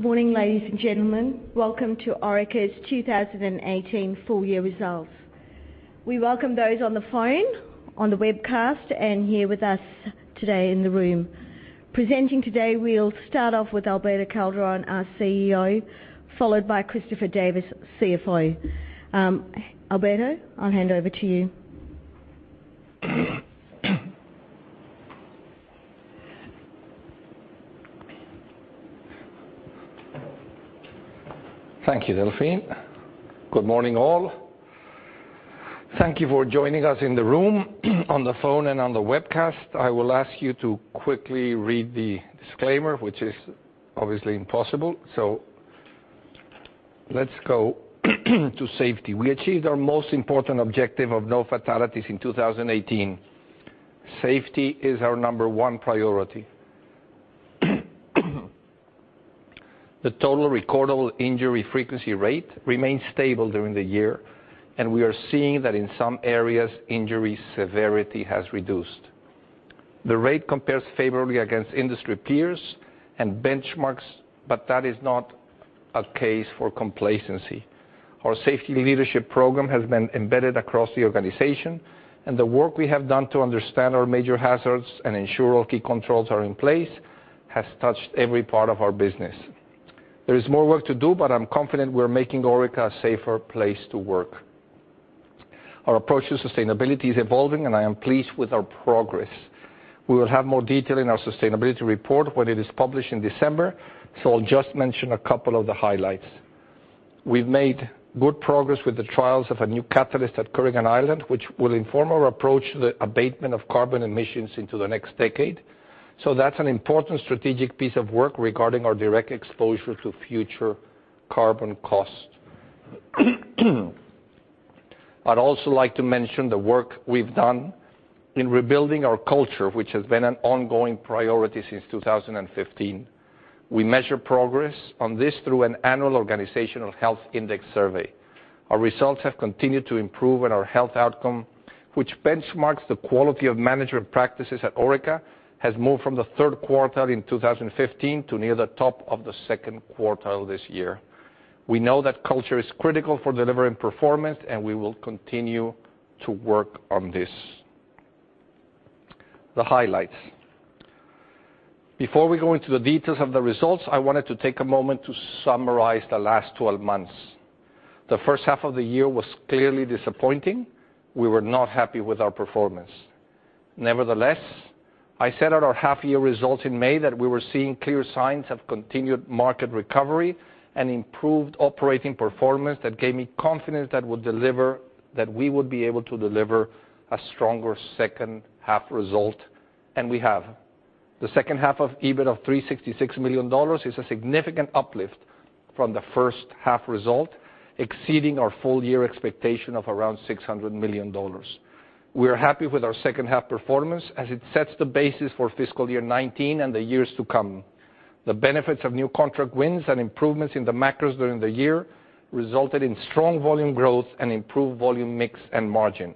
Good morning, ladies and gentlemen. Welcome to Orica's 2018 full-year results. We welcome those on the phone, on the webcast, and here with us today in the room. Presenting today, we will start off with Alberto Calderon, our CEO, followed by Christopher Davis, CFO. Alberto, I will hand over to you. Thank you, Delphine. Good morning, all. Thank you for joining us in the room, on the phone, and on the webcast. I will ask you to quickly read the disclaimer, which is obviously impossible, so let us go to safety. We achieved our most important objective of no fatalities in 2018. Safety is our number one priority. The total recordable injury frequency rate remained stable during the year, and we are seeing that in some areas, injury severity has reduced. The rate compares favorably against industry peers and benchmarks, but that is not a case for complacency. Our safety leadership program has been embedded across the organization, and the work we have done to understand our major hazards and ensure all key controls are in place has touched every part of our business. There is more work to do, but I am confident we are making Orica a safer place to work. Our approach to sustainability is evolving, and I am pleased with our progress. We will have more detail in our sustainability report when it is published in December, so I will just mention a couple of the highlights. We have made good progress with the trials of a new catalyst at Kooragang Island, which will inform our approach to the abatement of carbon emissions into the next decade. That is an important strategic piece of work regarding our direct exposure to future carbon costs. I would also like to mention the work we have done in rebuilding our culture, which has been an ongoing priority since 2015. We measure progress on this through an annual organizational health index survey. Our results have continued to improve, and our health outcome, which benchmarks the quality of management practices at Orica, has moved from the third quartile in 2015 to near the top of the second quartile this year. We know that culture is critical for delivering performance, and we will continue to work on this. The highlights. Before we go into the details of the results, I wanted to take a moment to summarize the last 12 months. The first half of the year was clearly disappointing. We were not happy with our performance. Nevertheless, I said at our half-year results in May that we were seeing clear signs of continued market recovery and improved operating performance that gave me confidence that we would be able to deliver a stronger second half result, and we have. The second half of EBIT of 366 million dollars is a significant uplift from the first half result, exceeding our full-year expectation of around 600 million dollars. We are happy with our second half performance, as it sets the basis for fiscal year 2019 and the years to come. The benefits of new contract wins and improvements in the macros during the year resulted in strong volume growth and improved volume mix and margin.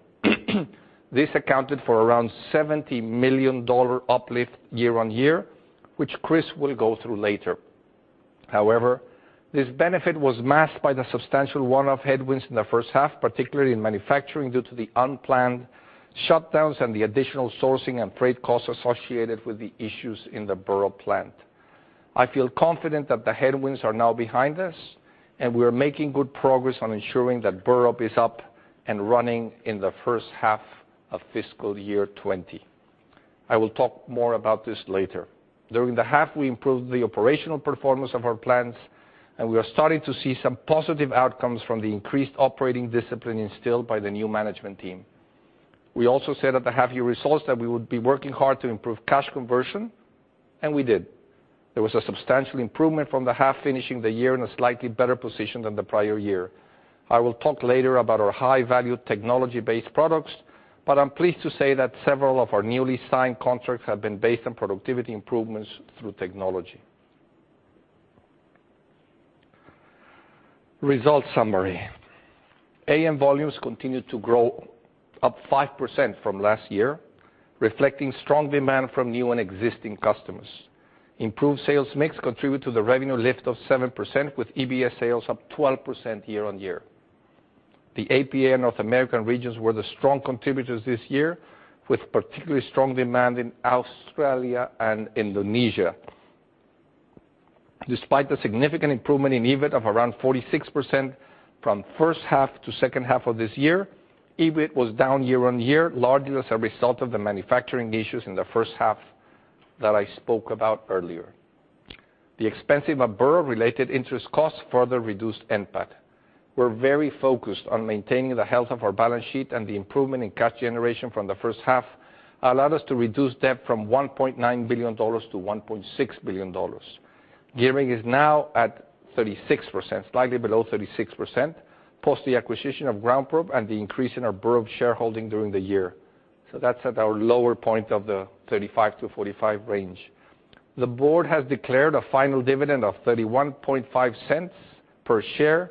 This accounted for around 70 million dollar uplift year on year, which Chris will go through later. This benefit was masked by the substantial one-off headwinds in the first half, particularly in manufacturing, due to the unplanned shutdowns and the additional sourcing and freight costs associated with the issues in the Burrup plant. I feel confident that the headwinds are now behind us, we are making good progress on ensuring that Burrup is up and running in the first half of fiscal year 2020. I will talk more about this later. During the half, we improved the operational performance of our plants, we are starting to see some positive outcomes from the increased operating discipline instilled by the new management team. We also said at the half-year results that we would be working hard to improve cash conversion, we did. There was a substantial improvement from the half, finishing the year in a slightly better position than the prior year. I will talk later about our high-value technology-based products, I'm pleased to say that several of our newly signed contracts have been based on productivity improvements through technology. Results summary. AN volumes continued to grow, up 5% from last year, reflecting strong demand from new and existing customers. Improved sales mix contributed to the revenue lift of 7%, with EBS sales up 12% year on year. The APA and North American regions were the strong contributors this year, with particularly strong demand in Australia and Indonesia. Despite the significant improvement in EBIT of around 46% from first half to second half of this year, EBIT was down year on year, largely as a result of the manufacturing issues in the first half that I spoke about earlier. The expensive Burrup-related interest costs further reduced NPAT. We're very focused on maintaining the health of our balance sheet, the improvement in cash generation from the first half allowed us to reduce debt from 1.9 billion dollars to 1.6 billion dollars. Gearing is now at 36%, slightly below 36%, post the acquisition of GroundProbe and the increase in our Burrup shareholding during the year. That's at our lower point of the 35 to 45 range. The board has declared a final dividend of 0.315 per share.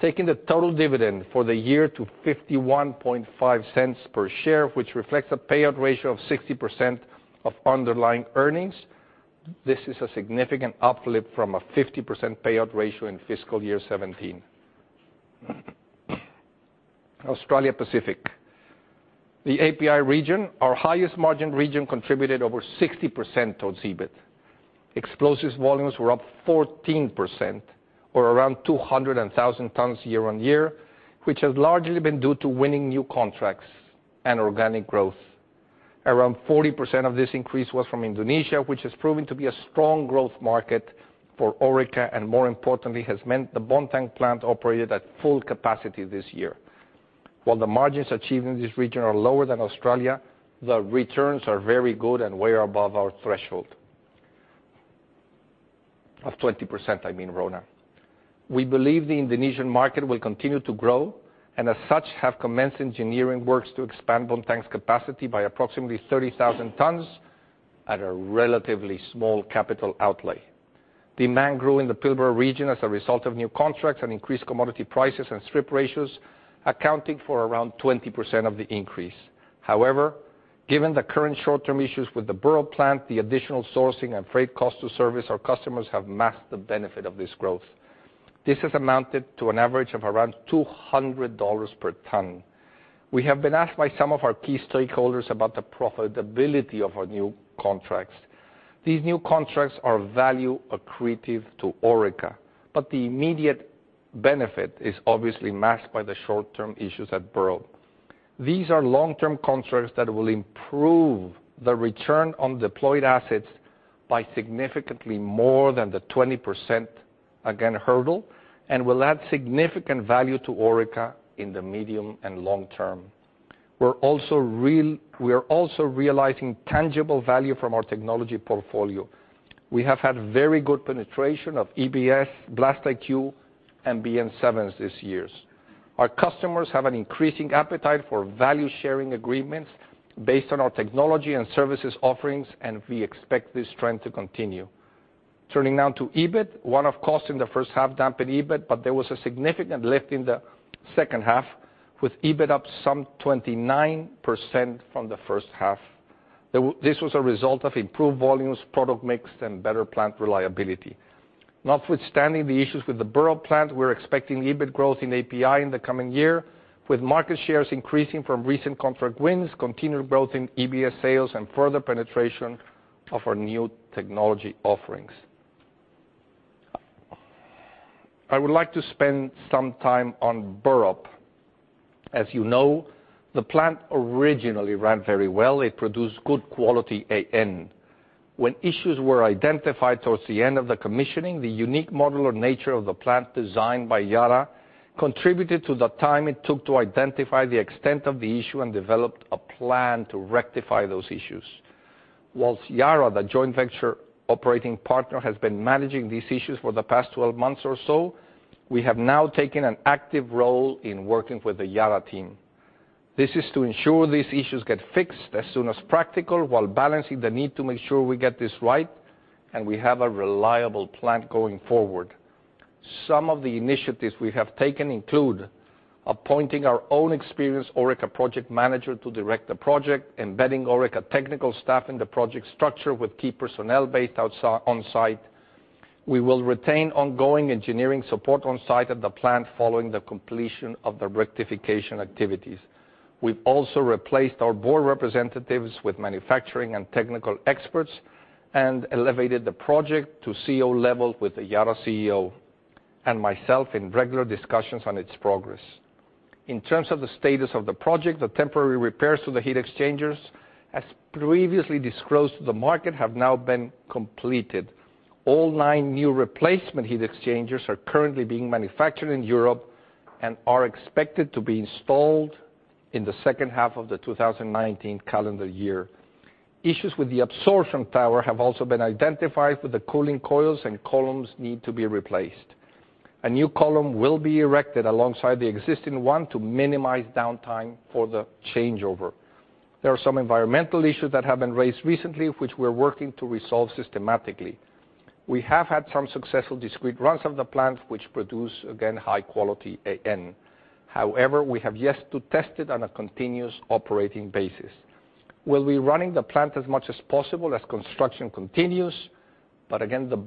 Taking the total dividend for the year to 0.515 per share, which reflects a payout ratio of 60% of underlying earnings. This is a significant uplift from a 50% payout ratio in fiscal year 2017. Australia Pacific. The APA region, our highest margin region, contributed over 60% towards EBIT. Explosives volumes were up 14%, or around 200,000 tons year on year, which has largely been due to winning new contracts organic growth. Around 40% of this increase was from Indonesia, which has proven to be a strong growth market for Orica, and more importantly, has meant the Bontang plant operated at full capacity this year. While the margins achieved in this region are lower than Australia, the returns are very good and way above our threshold. Of 20%, I mean, RONA. We believe the Indonesian market will continue to grow, and as such, have commenced engineering works to expand Bontang's capacity by approximately 30,000 tons at a relatively small capital outlay. Demand grew in the Pilbara region as a result of new contracts and increased commodity prices and strip ratios accounting for around 20% of the increase. However, given the current short-term issues with the Burrup plant, the additional sourcing and freight cost to service our customers have masked the benefit of this growth. This has amounted to an average of around 200 dollars per ton. We have been asked by some of our key stakeholders about the profitability of our new contracts. These new contracts are value accretive to Orica, but the immediate benefit is obviously masked by the short-term issues at Burrup. These are long-term contracts that will improve the return on deployed assets by significantly more than the 20%, again, hurdle, and will add significant value to Orica in the medium and long term. We're also realizing tangible value from our technology portfolio. We have had very good penetration of EBS, BlastIQ, and BM7s this year. Our customers have an increasing appetite for value-sharing agreements based on our technology and services offerings, and we expect this trend to continue. Turning now to EBIT. One-off costs in the first half dampened EBIT, but there was a significant lift in the second half, with EBIT up some 29% from the first half. This was a result of improved volumes, product mix, and better plant reliability. Notwithstanding the issues with the Burrup plant, we're expecting EBIT growth in APA in the coming year, with market shares increasing from recent contract wins, continued growth in EBS sales, and further penetration of our new technology offerings. I would like to spend some time on Burrup. As you know, the plant originally ran very well. It produced good quality AN. When issues were identified towards the end of the commissioning, the unique modular nature of the plant design by Yara contributed to the time it took to identify the extent of the issue and developed a plan to rectify those issues. Whilst Yara, the joint venture operating partner, has been managing these issues for the past 12 months or so, we have now taken an active role in working with the Yara team. This is to ensure these issues get fixed as soon as practical, while balancing the need to make sure we get this right and we have a reliable plant going forward. Some of the initiatives we have taken include appointing our own experienced Orica project manager to direct the project, embedding Orica technical staff in the project structure with key personnel based on-site. We will retain ongoing engineering support on site at the plant following the completion of the rectification activities. We've also replaced our board representatives with manufacturing and technical experts and elevated the project to CEO level with the Yara CEO and myself in regular discussions on its progress. In terms of the status of the project, the temporary repairs to the heat exchangers, as previously disclosed to the market, have now been completed. All nine new replacement heat exchangers are currently being manufactured in Europe and are expected to be installed in the second half of the 2019 calendar year. Issues with the absorption tower have also been identified for the cooling coils, and columns need to be replaced. A new column will be erected alongside the existing one to minimize downtime for the changeover. There are some environmental issues that have been raised recently, which we're working to resolve systematically. We have had some successful discrete runs of the plant, which produce, again, high quality AN. However, we have yet to test it on a continuous operating basis. We'll be running the plant as much as possible as construction continues, again, the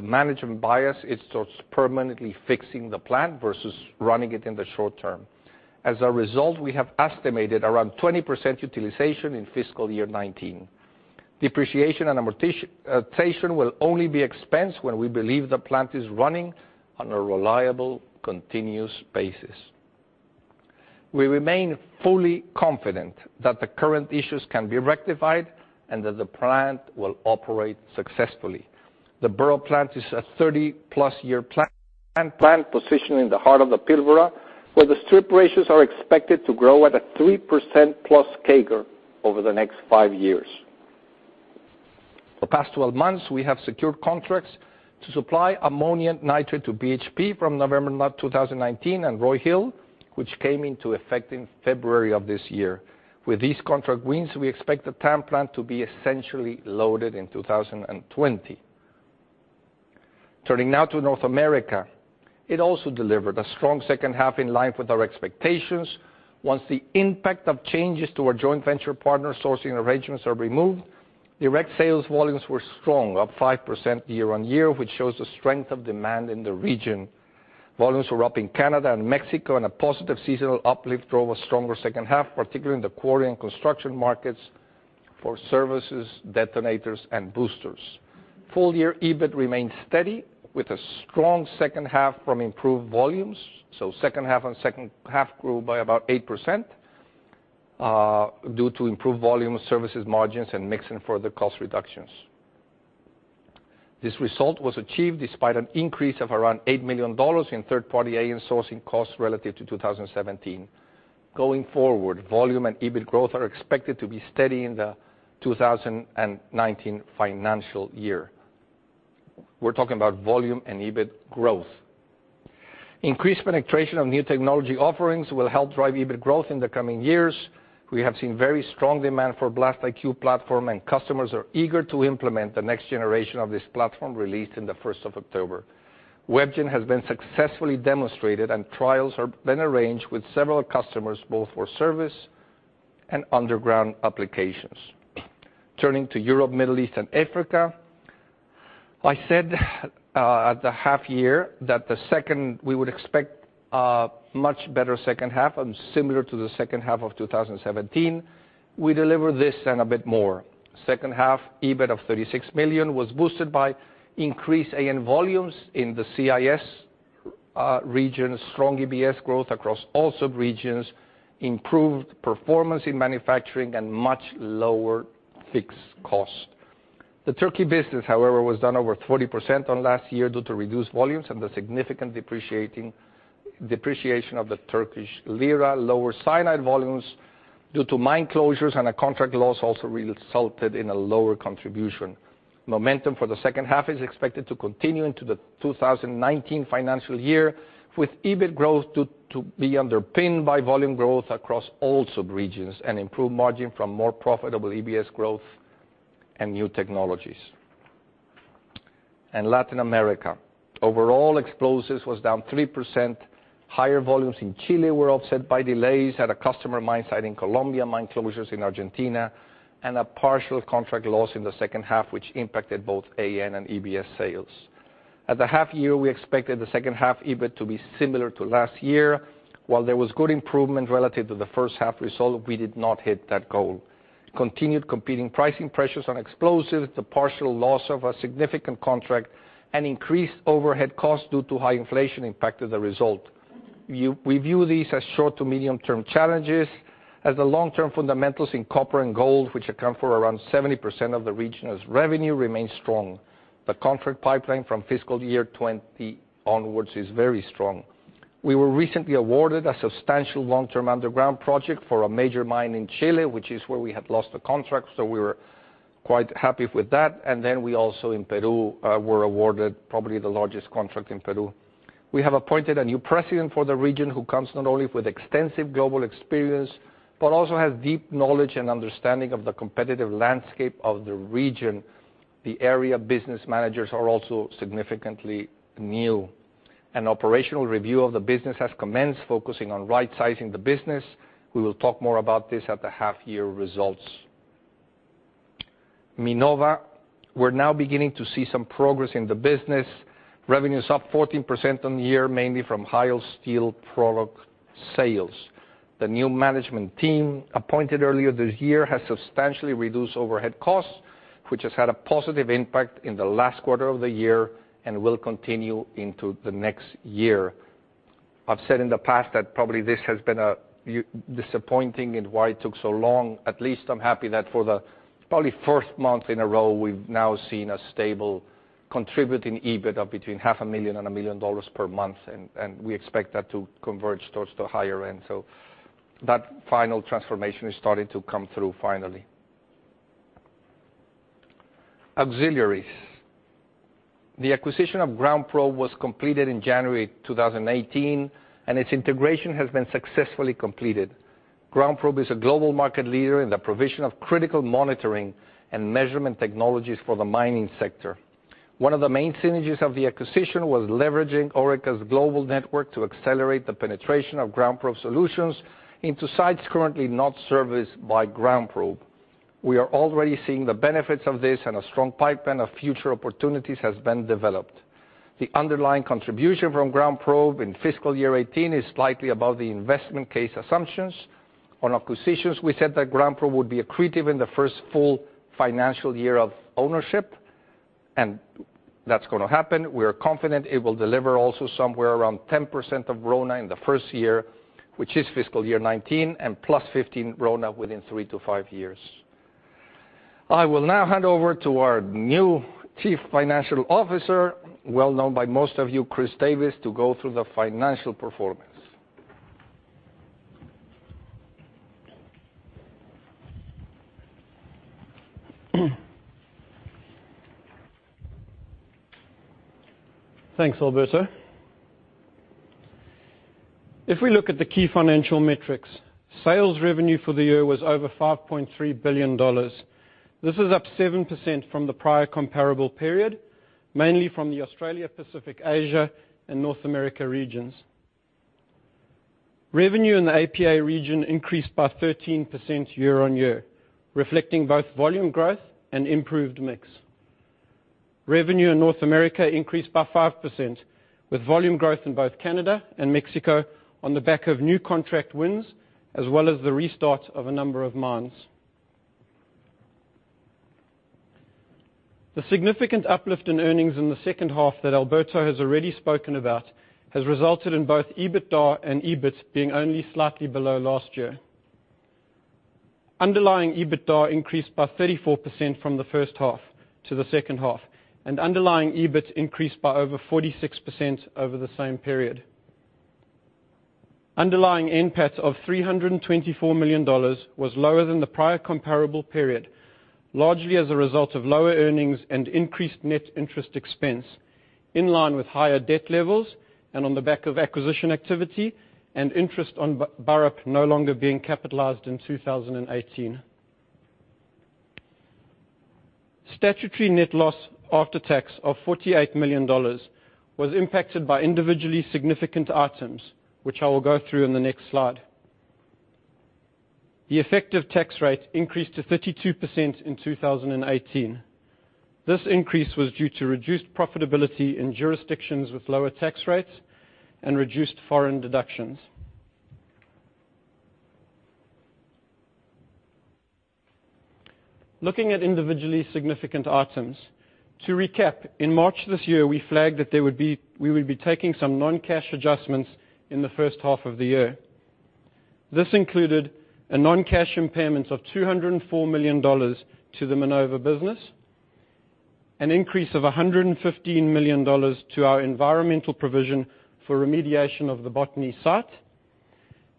management bias is towards permanently fixing the plant versus running it in the short term. As a result, we have estimated around 20% utilization in FY 2019. Depreciation and Amortization will only be expensed when we believe the plant is running on a reliable, continuous basis. We remain fully confident that the current issues can be rectified and that the plant will operate successfully. The Burrup plant is a 30-plus year plant positioned in the heart of the Pilbara, where the strip ratios are expected to grow at a 3% plus CAGR over the next five years. For the past 12 months, we have secured contracts to supply ammonium nitrate to BHP from November 2019 and Roy Hill, which came into effect in February of this year. With these contract wins, we expect the TAN plant to be essentially loaded in 2020. Turning now to North America, it also delivered a strong second half in line with our expectations. Once the impact of changes to our joint venture partner sourcing arrangements are removed, direct sales volumes were strong, up 5% year-over-year, which shows the strength of demand in the region. Volumes were up in Canada and Mexico, and a positive seasonal uplift drove a stronger second half, particularly in the quarry and construction markets for services, detonators and boosters. Full year EBIT remained steady with a strong second half from improved volumes. Second half grew by about 8% due to improved volume services margins and mix and further cost reductions. This result was achieved despite an increase of around 8 million dollars in third party AN sourcing costs relative to 2017. Going forward, volume and EBIT growth are expected to be steady in the 2019 financial year. We're talking about volume and EBIT growth. Increased penetration of new technology offerings will help drive EBIT growth in the coming years. We have seen very strong demand for BlastIQ platform, and customers are eager to implement the next generation of this platform released in the 1st of October. WebGen has been successfully demonstrated and trials have been arranged with several customers, both for service and underground applications. Turning to Europe, Middle East and Africa. I said at the half year that we would expect a much better second half and similar to the second half of 2017. We delivered this and a bit more. Second half EBIT of 36 million was boosted by increased AN volumes in the CIS regions, strong EBS growth across all sub-regions, improved performance in manufacturing and much lower fixed cost. The Turkey business, however, was down over 40% on last year due to reduced volumes and the significant depreciation of the Turkish lira, lower cyanide volumes due to mine closures and a contract loss also resulted in a lower contribution. Momentum for the second half is expected to continue into the 2019 financial year, with EBIT growth to be underpinned by volume growth across all sub-regions and improved margin from more profitable EBS growth and new technologies. Latin America. Overall explosives was down 3%. Higher volumes in Chile were offset by delays at a customer mine site in Colombia, mine closures in Argentina, and a partial contract loss in the second half, which impacted both AN and EBS sales. At the half year, we expected the second half EBIT to be similar to last year. While there was good improvement relative to the first half result, we did not hit that goal. Continued competing pricing pressures on explosives, the partial loss of a significant contract and increased overhead costs due to high inflation impacted the result. We view these as short to medium term challenges as the long term fundamentals in copper and gold, which account for around 70% of the region's revenue remains strong. The contract pipeline from fiscal year 2020 onwards is very strong. We were recently awarded a substantial long-term underground project for a major mine in Chile, which is where we had lost the contract, so we were quite happy with that. We also in Peru were awarded probably the largest contract in Peru. We have appointed a new president for the region who comes not only with extensive global experience, but also has deep knowledge and understanding of the competitive landscape of the region. The area business managers are also significantly new. An operational review of the business has commenced focusing on right-sizing the business. We will talk more about this at the half year results. Minova. We're now beginning to see some progress in the business. Revenue is up 14% on the year, mainly from higher steel product sales. The new management team appointed earlier this year has substantially reduced overhead costs, which has had a positive impact in the last quarter of the year and will continue into the next year. I've said in the past that probably this has been disappointing and why it took so long. At least I'm happy that for the probably first month in a row, we've now seen a stable contributing EBIT of between 500,000 and 1 million dollars per month, and we expect that to converge towards the higher end. That final transformation is starting to come through finally. Auxiliaries. The acquisition of GroundProbe was completed in January 2018, and its integration has been successfully completed. GroundProbe is a global market leader in the provision of critical monitoring and measurement technologies for the mining sector. One of the main synergies of the acquisition was leveraging Orica's global network to accelerate the penetration of GroundProbe solutions into sites currently not serviced by GroundProbe. We are already seeing the benefits of this and a strong pipeline of future opportunities has been developed. The underlying contribution from GroundProbe in fiscal year 2018 is slightly above the investment case assumptions. On acquisitions, we said that GroundProbe would be accretive in the first full financial year of ownership, and that's going to happen. We are confident it will deliver also somewhere around 10% of RONA in the first year, which is fiscal year 2019, and +15% RONA within three to five years. I will now hand over to our new Chief Financial Officer, well known by most of you, Chris Davis, to go through the financial performance. Thanks, Alberto. If we look at the key financial metrics, sales revenue for the year was over 5.3 billion dollars. This is up 7% from the prior comparable period, mainly from the Australia Pacific & Asia and North America regions. Revenue in the APA region increased by 13% year-over-year, reflecting both volume growth and improved mix. Revenue in North America increased by 5%, with volume growth in both Canada and Mexico on the back of new contract wins, as well as the restart of a number of mines. The significant uplift in earnings in the second half that Alberto has already spoken about has resulted in both EBITDA and EBIT being only slightly below last year. Underlying EBITDA increased by 34% from the first half to the second half, and underlying EBIT increased by over 46% over the same period. Underlying NPAT of 324 million dollars was lower than the prior comparable period, largely as a result of lower earnings and increased net interest expense, in line with higher debt levels and on the back of acquisition activity and interest on Burrup no longer being capitalized in 2018. Statutory net loss after tax of 48 million dollars was impacted by individually significant items, which I will go through in the next slide. The effective tax rate increased to 32% in 2018. This increase was due to reduced profitability in jurisdictions with lower tax rates and reduced foreign deductions. Looking at individually significant items, to recap, in March this year, we flagged that we would be taking some non-cash adjustments in the first half of the year. This included a non-cash impairment of 204 million dollars to the Minova business, an increase of 115 million dollars to our environmental provision for remediation of the Botany site,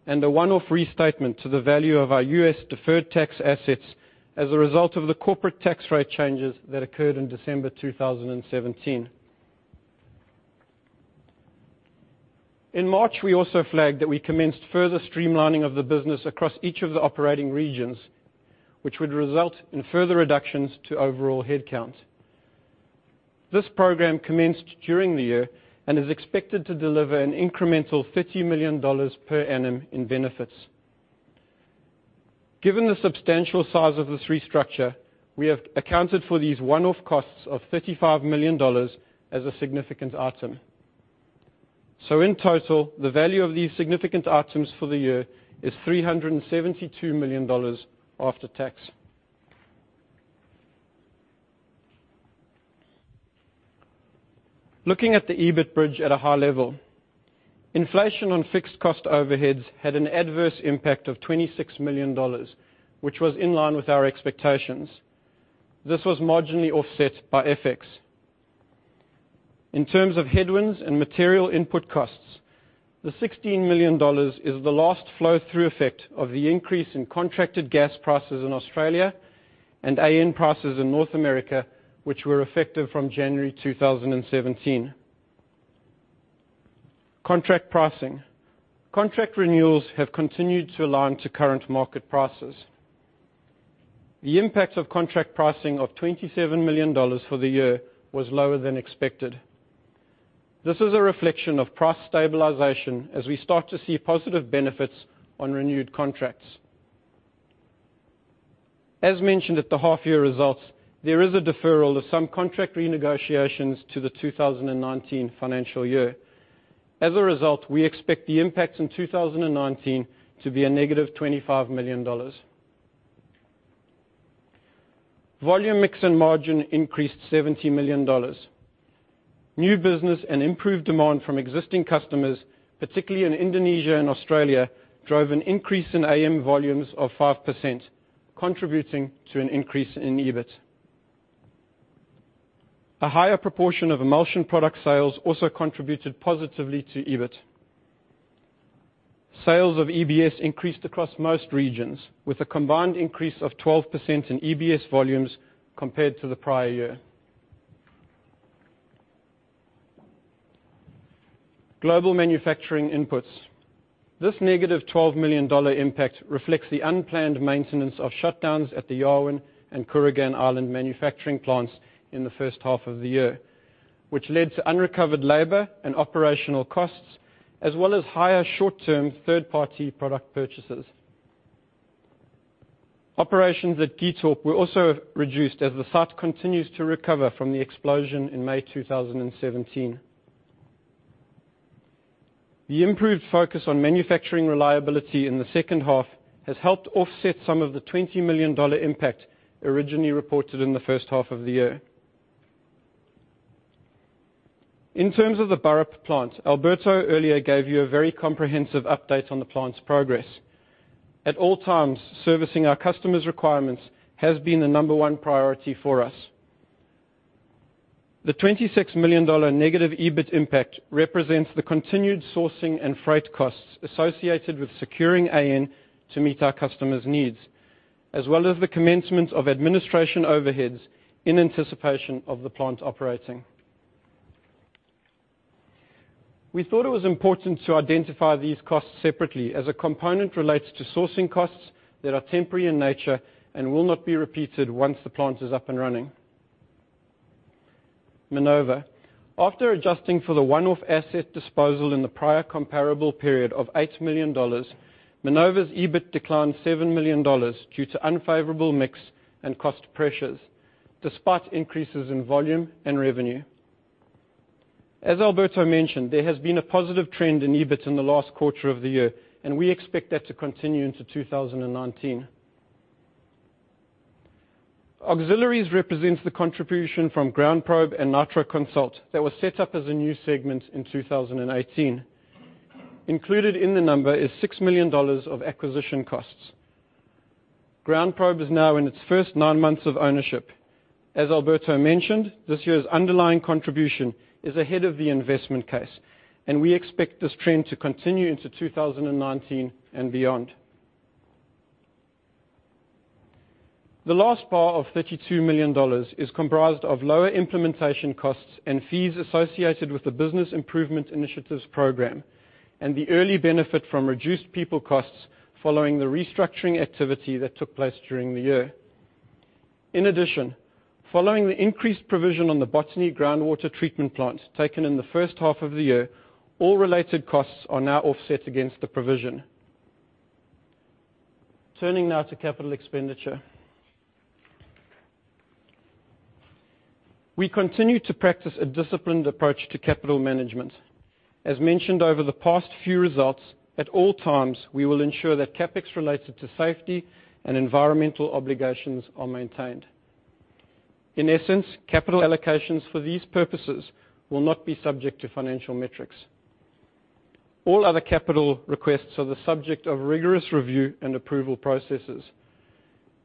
and a one-off restatement to the value of our U.S. deferred tax assets as a result of the corporate tax rate changes that occurred in December 2017. In March, we also flagged that we commenced further streamlining of the business across each of the operating regions, which would result in further reductions to overall headcount. This program commenced during the year and is expected to deliver an incremental 50 million dollars per annum in benefits. Given the substantial size of the restructure, we have accounted for these one-off costs of 35 million dollars as a significant item. So in total, the value of these significant items for the year is 372 million dollars after tax. Looking at the EBIT bridge at a high level, inflation on fixed cost overheads had an adverse impact of 26 million dollars, which was in line with our expectations. This was marginally offset by FX. In terms of headwinds and material input costs, the 16 million dollars is the last flow-through effect of the increase in contracted gas prices in Australia and AN prices in North America, which were effective from January 2017. Contract pricing. Contract renewals have continued to align to current market prices. The impact of contract pricing of 27 million dollars for the year was lower than expected. This is a reflection of price stabilization as we start to see positive benefits on renewed contracts. As mentioned at the half-year results, there is a deferral of some contract renegotiations to the FY 2019. As a result, we expect the impact in 2019 to be a negative 25 million dollars. Volume mix and margin increased 70 million dollars. New business and improved demand from existing customers, particularly in Indonesia and Australia, drove an increase in AN volumes of 5%, contributing to an increase in EBIT. A higher proportion of emulsion product sales also contributed positively to EBIT. Sales of EBS increased across most regions, with a combined increase of 12% in EBS volumes compared to the prior year. Global manufacturing inputs. This negative 12 million dollar impact reflects the unplanned maintenance of shutdowns at the Yarwun and Kooragang Island manufacturing plants in the first half of the year, which led to unrecovered labor and operational costs as well as higher short-term third-party product purchases. Operations at Grasberg were also reduced as the site continues to recover from the explosion in May 2017. The improved focus on manufacturing reliability in the second half has helped offset some of the 20 million dollar impact originally reported in the first half of the year. In terms of the Burrup plant, Alberto earlier gave you a very comprehensive update on the plant's progress. At all times, servicing our customers' requirements has been the number one priority for us. The 26 million dollar negative EBIT impact represents the continued sourcing and freight costs associated with securing AN to meet our customers' needs, as well as the commencement of administration overheads in anticipation of the plant operating. We thought it was important to identify these costs separately as a component relates to sourcing costs that are temporary in nature and will not be repeated once the plant is up and running. Minova. After adjusting for the one-off asset disposal in the prior comparable period of 8 million dollars, Minova's EBIT declined 7 million dollars due to unfavorable mix and cost pressures, despite increases in volume and revenue. As Alberto mentioned, there has been a positive trend in EBIT in the last quarter of the year, and we expect that to continue into 2019. Auxiliaries represents the contribution from GroundProbe and Nitro Consult that was set up as a new segment in 2018. Included in the number is 6 million dollars of acquisition costs. GroundProbe is now in its first nine months of ownership. As Alberto mentioned, this year's underlying contribution is ahead of the investment case, and we expect this trend to continue into 2019 and beyond. The last bar of 32 million dollars is comprised of lower implementation costs and fees associated with the Business Improvement Initiatives program and the early benefit from reduced people costs following the restructuring activity that took place during the year. In addition, following the increased provision on the Botany groundwater treatment plant taken in the first half of the year, all related costs are now offset against the provision. Turning now to capital expenditure. We continue to practice a disciplined approach to capital management. As mentioned over the past few results, at all times, we will ensure that CapEx related to safety and environmental obligations are maintained. In essence, capital allocations for these purposes will not be subject to financial metrics. All other capital requests are the subject of rigorous review and approval processes.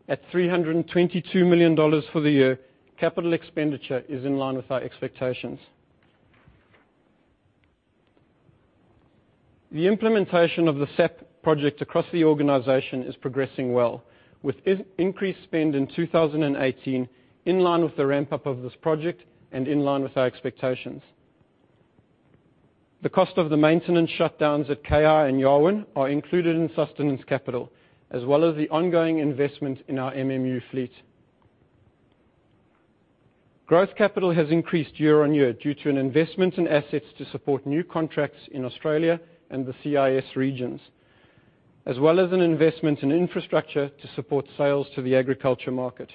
At 322 million dollars for the year, capital expenditure is in line with our expectations. The implementation of the SAP project across the organization is progressing well, with increased spend in 2018 in line with the ramp-up of this project and in line with our expectations. The cost of the maintenance shutdowns at KI and Yarwun are included in sustenance capital, as well as the ongoing investment in our MMU fleet. Growth capital has increased year on year due to an investment in assets to support new contracts in Australia and the CIS regions, as well as an investment in infrastructure to support sales to the agriculture market.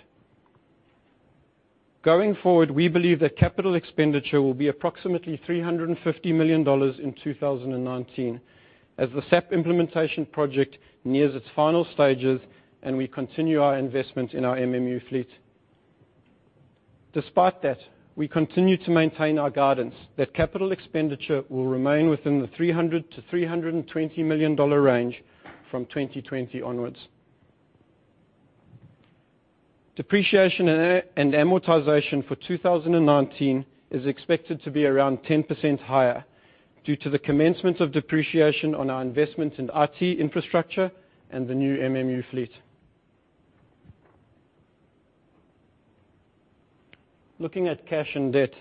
Going forward, we believe that capital expenditure will be approximately 350 million dollars in 2019 as the SAP implementation project nears its final stages and we continue our investment in our MMU fleet. Despite that, we continue to maintain our guidance that capital expenditure will remain within the 300 million-320 million dollar range from 2020 onwards. Depreciation and amortization for 2019 is expected to be around 10% higher due to the commencement of depreciation on our investment in IT infrastructure and the new MMU fleet. Looking at cash and debt.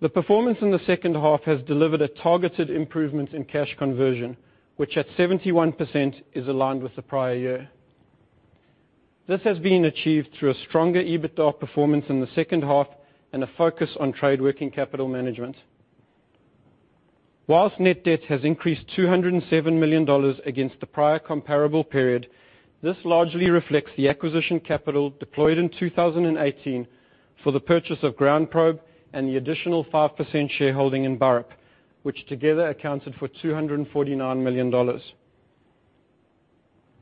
The performance in the second half has delivered a targeted improvement in cash conversion, which at 71% is aligned with the prior year. This has been achieved through a stronger EBITDA performance in the second half and a focus on trade working capital management. Whilst net debt has increased 207 million dollars against the prior comparable period, this largely reflects the acquisition capital deployed in 2018 for the purchase of GroundProbe and the additional 5% shareholding in Burrup, which together accounted for 249 million dollars.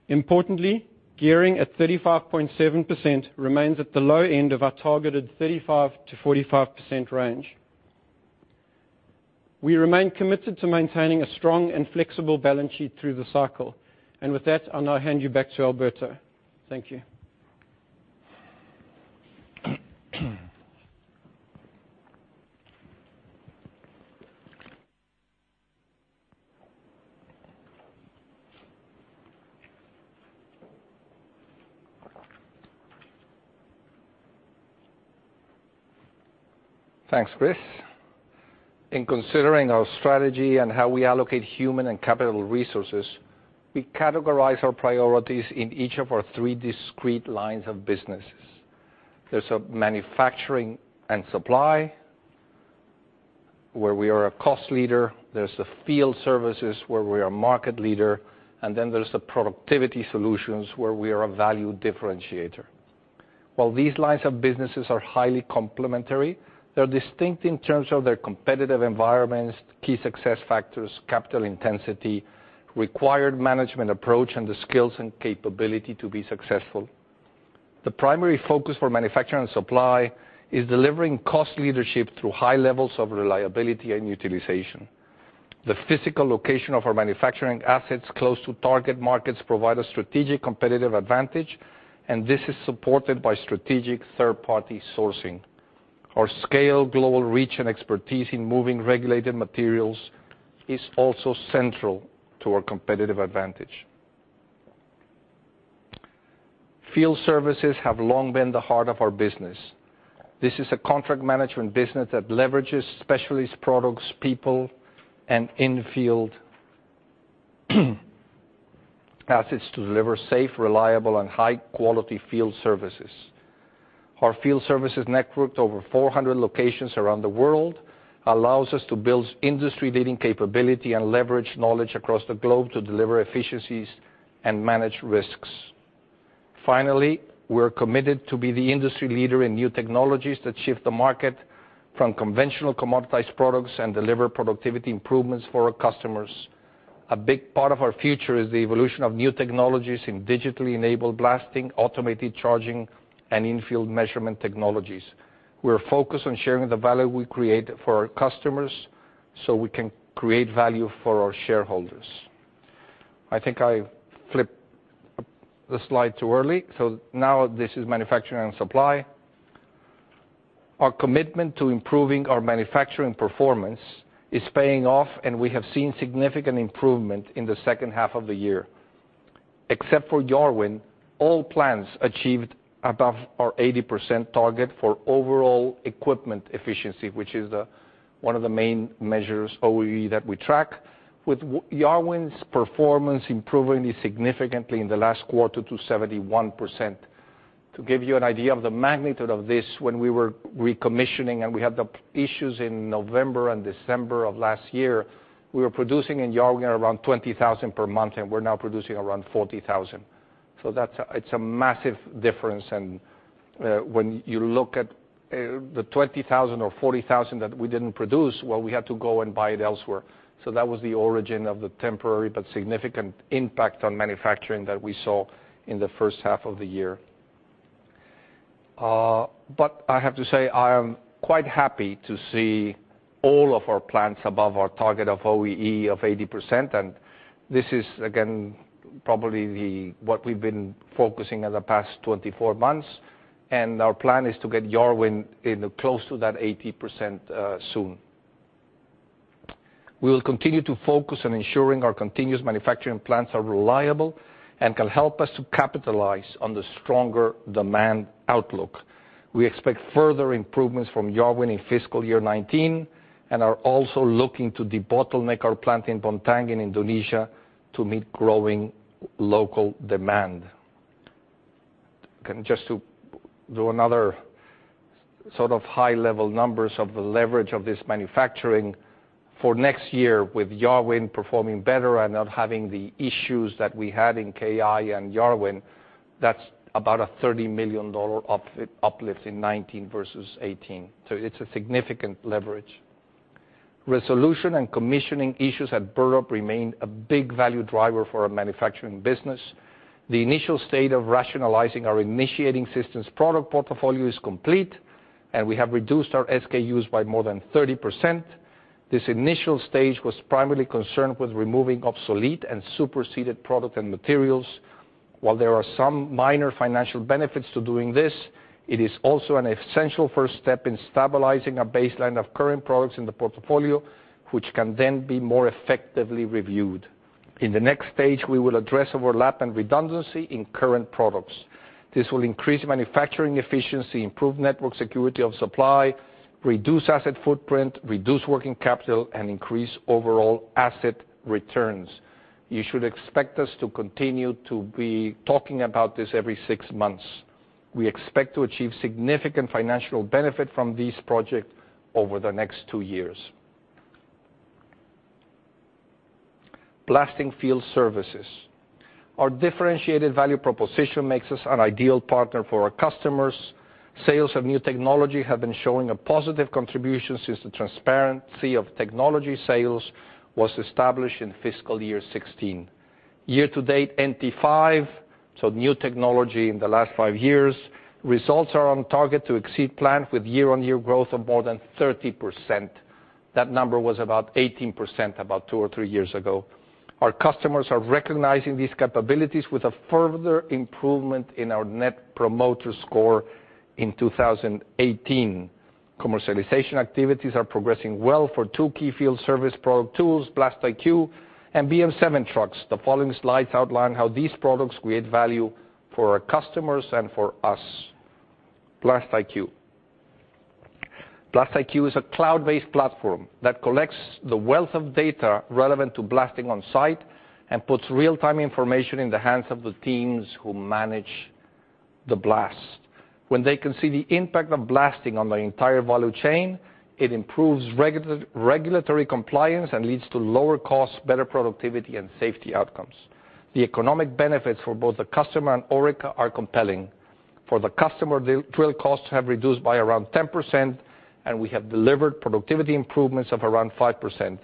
Importantly, gearing at 35.7% remains at the low end of our targeted 35%-45% range. We remain committed to maintaining a strong and flexible balance sheet through the cycle. With that, I'll now hand you back to Alberto. Thank you. Thanks, Chris. In considering our strategy and how we allocate human and capital resources, we categorize our priorities in each of our three discrete lines of businesses. There's a manufacturing and supply, where we are a cost leader. There's the field services, where we are market leader. Then there's the productivity solutions, where we are a value differentiator. While these lines of businesses are highly complementary, they're distinct in terms of their competitive environments, key success factors, capital intensity, required management approach, and the skills and capability to be successful. The primary focus for manufacturing and supply is delivering cost leadership through high levels of reliability and utilization. The physical location of our manufacturing assets close to target markets provide a strategic competitive advantage. This is supported by strategic third-party sourcing. Our scale, global reach, and expertise in moving regulated materials is also central to our competitive advantage. Field services have long been the heart of our business. This is a contract management business that leverages specialist products, people, and in-field assets to deliver safe, reliable, and high-quality field services. Our field services network of over 400 locations around the world allows us to build industry-leading capability and leverage knowledge across the globe to deliver efficiencies and manage risks. We're committed to be the industry leader in new technologies that shift the market from conventional commoditized products and deliver productivity improvements for our customers. A big part of our future is the evolution of new technologies in digitally enabled blasting, automated charging, and in-field measurement technologies. We're focused on sharing the value we create for our customers so we can create value for our shareholders. I think I flipped the slide too early. Now this is manufacturing and supply. Our commitment to improving our manufacturing performance is paying off. We have seen significant improvement in the second half of the year. Except for Yarwun, all plants achieved above our 80% target for overall equipment efficiency, which is one of the main measures, OEE, that we track, with Yarwun's performance improving significantly in the last quarter to 71%. To give you an idea of the magnitude of this, when we were recommissioning and we had the issues in November and December of last year, we were producing in Yarwun around 20,000 per month, and we're now producing around 40,000. It's a massive difference. When you look at the 20,000 or 40,000 that we didn't produce, well, we had to go and buy it elsewhere. That was the origin of the temporary but significant impact on manufacturing that we saw in the first half of the year. I have to say, I am quite happy to see all of our plants above our target of OEE of 80%. This is again, probably what we've been focusing in the past 24 months. Our plan is to get Yarwun close to that 80% soon. We will continue to focus on ensuring our continuous manufacturing plants are reliable and can help us to capitalize on the stronger demand outlook. We expect further improvements from Yarwun in FY 2019. Are also looking to debottleneck our plant in Bontang in Indonesia to meet growing local demand. Just to do another sort of high-level numbers of the leverage of this manufacturing for next year with Yarwun performing better and not having the issues that we had in KI and Yarwun, that's about a 30 million dollar uplift in 2019 versus 2018. It's a significant leverage. Resolution and commissioning issues at Burrup remain a big value driver for our manufacturing business. The initial state of rationalizing our initiating systems product portfolio is complete. We have reduced our SKUs by more than 30%. This initial stage was primarily concerned with removing obsolete and superseded product and materials. While there are some minor financial benefits to doing this, it is also an essential first step in stabilizing a baseline of current products in the portfolio, which can then be more effectively reviewed. In the next stage, we will address overlap and redundancy in current products. This will increase manufacturing efficiency, improve network security of supply, reduce asset footprint, reduce working capital, and increase overall asset returns. You should expect us to continue to be talking about this every six months. We expect to achieve significant financial benefit from this project over the next two years. Blasting field services. Our differentiated value proposition makes us an ideal partner for our customers. Sales of new technology have been showing a positive contribution since the transparency of technology sales was established in fiscal year 2016. Year to date NT5, so new technology in the last five years, results are on target to exceed plan with year-on-year growth of more than 30%. That number was about 18% about two or three years ago. Our customers are recognizing these capabilities with a further improvement in our net promoter score in 2018. Commercialization activities are progressing well for two key field service product tools, BlastIQ and BM7 trucks. The following slides outline how these products create value for our customers and for us. BlastIQ. BlastIQ is a cloud-based platform that collects the wealth of data relevant to blasting on-site and puts real-time information in the hands of the teams who manage the blasts. When they can see the impact of blasting on the entire value chain, it improves regulatory compliance and leads to lower cost, better productivity, and safety outcomes. The economic benefits for both the customer and Orica are compelling. For the customer, drill costs have reduced by around 10%. We have delivered productivity improvements of around 5%.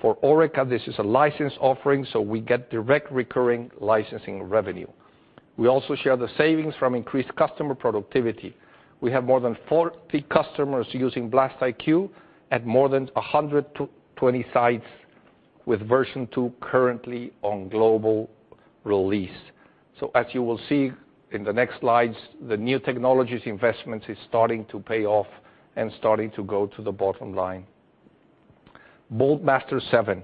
For Orica, this is a license offering, so we get direct recurring licensing revenue. We also share the savings from increased customer productivity. We have more than 40 customers using BlastIQ at more than 120 sites, with version 2 currently on global release. As you will see in the next slides, the new technologies investments is starting to pay off and starting to go to the bottom line. Bulkmaster 7.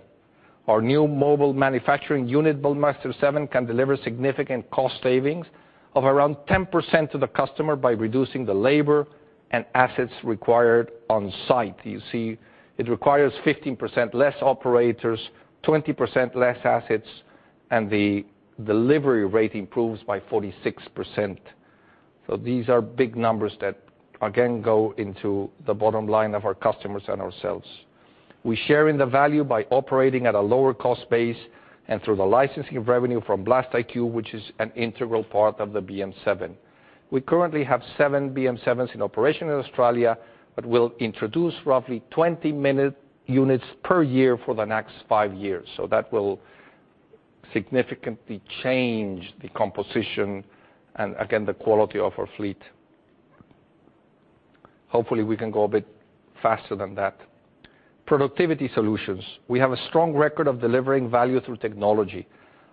Our new mobile manufacturing unit, Bulkmaster 7, can deliver significant cost savings of around 10% to the customer by reducing the labor and assets required on site. You see it requires 15% less operators, 20% less assets, and the delivery rate improves by 46%. These are big numbers that, again, go into the bottom line of our customers and ourselves. We share in the value by operating at a lower cost base and through the licensing revenue from BlastIQ, which is an integral part of the BM7. We currently have seven BM7s in operation in Australia, but we'll introduce roughly 20 units per year for the next five years. That will significantly change the composition and, again, the quality of our fleet. Hopefully, we can go a bit faster than that. Productivity solutions. We have a strong record of delivering value through technology.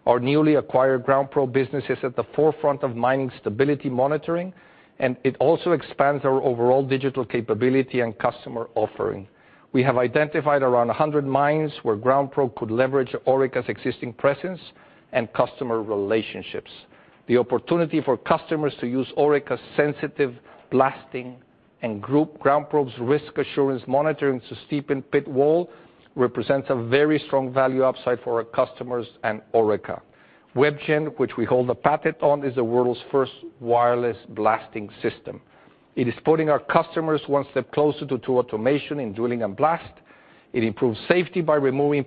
Our newly acquired GroundProbe business is at the forefront of mining stability monitoring, and it also expands our overall digital capability and customer offering. We have identified around 100 mines where GroundProbe could leverage Orica's existing presence and customer relationships. The opportunity for customers to use Orica sensitive blasting and GroundProbe's risk assurance monitoring to steepen pit wall represents a very strong value upside for our customers and Orica. WebGen, which we hold a patent on, is the world's first wireless blasting system. It is putting our customers one step closer to automation in drilling and blast. We are removing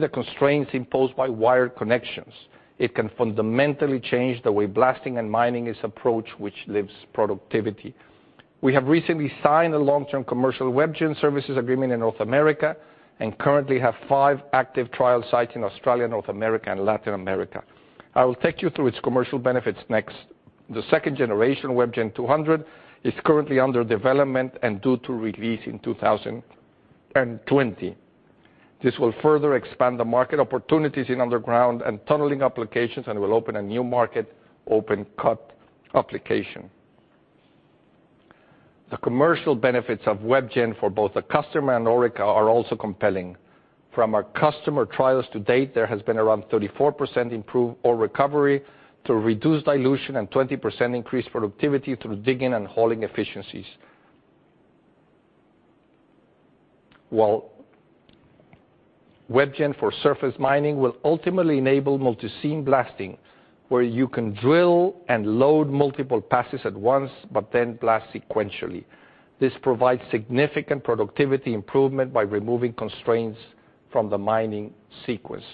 the constraints imposed by wire connections. It can fundamentally change the way blasting and mining is approached, which lifts productivity. We have recently signed a long-term commercial WebGen services agreement in North America and currently have five active trial sites in Australia, North America, and Latin America. I will take you through its commercial benefits next. The second generation, WebGen 200, is currently under development and due to release in 2020. This will further expand the market opportunities in underground and tunneling applications and will open a new market, open cut application. The commercial benefits of WebGen for both the customer and Orica are also compelling. From our customer trials to date, there has been around 34% improved ore recovery to reduce dilution and 20% increased productivity through digging and hauling efficiencies. WebGen for surface mining will ultimately enable multi-seam blasting, where you can drill and load multiple passes at once, but then blast sequentially. This provides significant productivity improvement by removing constraints from the mining sequence.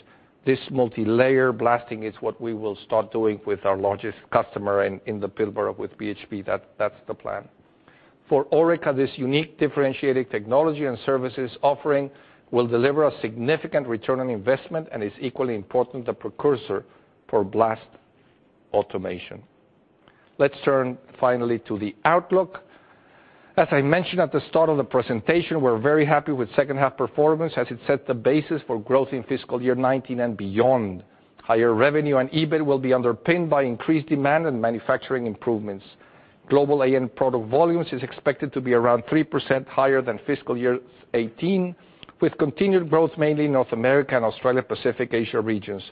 This multi-layer blasting is what we will start doing with our largest customer in the Pilbara with BHP. That's the plan. For Orica, this unique differentiating technology and services offering will deliver a significant return on investment and is equally important, the precursor for blast automation. Let's turn finally to the outlook. As I mentioned at the start of the presentation, we're very happy with second half performance as it sets the basis for growth in fiscal year 2019 and beyond. Higher revenue and EBIT will be underpinned by increased demand and manufacturing improvements. Global AN product volumes is expected to be around 3% higher than fiscal year 2018, with continued growth mainly in North America and Australia Pacific & Asia regions.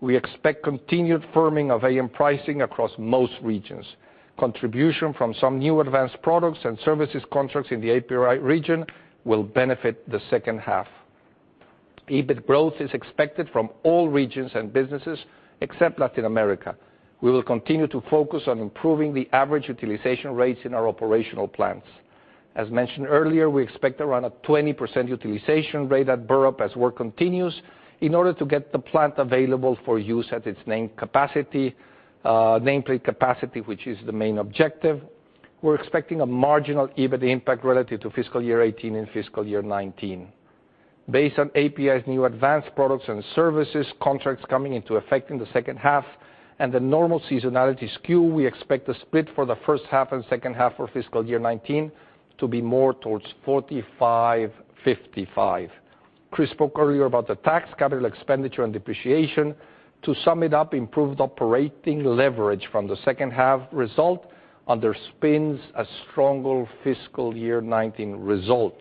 We expect continued firming of AN pricing across most regions. Contribution from some new advanced products and services contracts in the APA region will benefit the second half. EBIT growth is expected from all regions and businesses except Latin America. We will continue to focus on improving the average utilization rates in our operational plans. As mentioned earlier, we expect around a 20% utilization rate at Burrup as work continues in order to get the plant available for use at its name plate capacity, which is the main objective. We're expecting a marginal EBIT impact relative to fiscal year 2018 and fiscal year 2019. Based on APA's new advanced products and services contracts coming into effect in the second half and the normal seasonality skew, we expect the split for the first half and second half for fiscal year 2019 to be more towards 45/55. Chris spoke earlier about the tax, capital expenditure, and depreciation. To sum it up, improved operating leverage from the second half result underpins a stronger fiscal year 2019 result.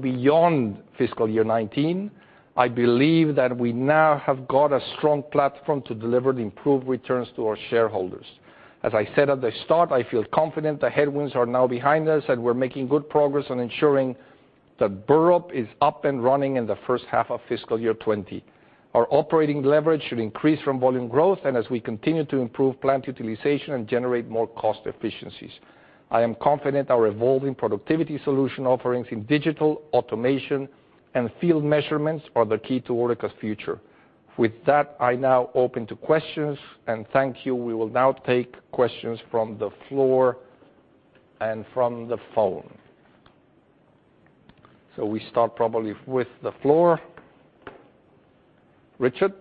Beyond fiscal year 2019, I believe that we now have got a strong platform to deliver the improved returns to our shareholders. As I said at the start, I feel confident the headwinds are now behind us, and we're making good progress on ensuring that Burrup is up and running in the first half of fiscal year 2020. Our operating leverage should increase from volume growth and as we continue to improve plant utilization and generate more cost efficiencies. I am confident our evolving productivity solution offerings in digital automation and field measurements are the key to Orica's future. With that, I now open to questions and thank you. We will now take questions from the floor and from the phone. We start probably with the floor. Richard?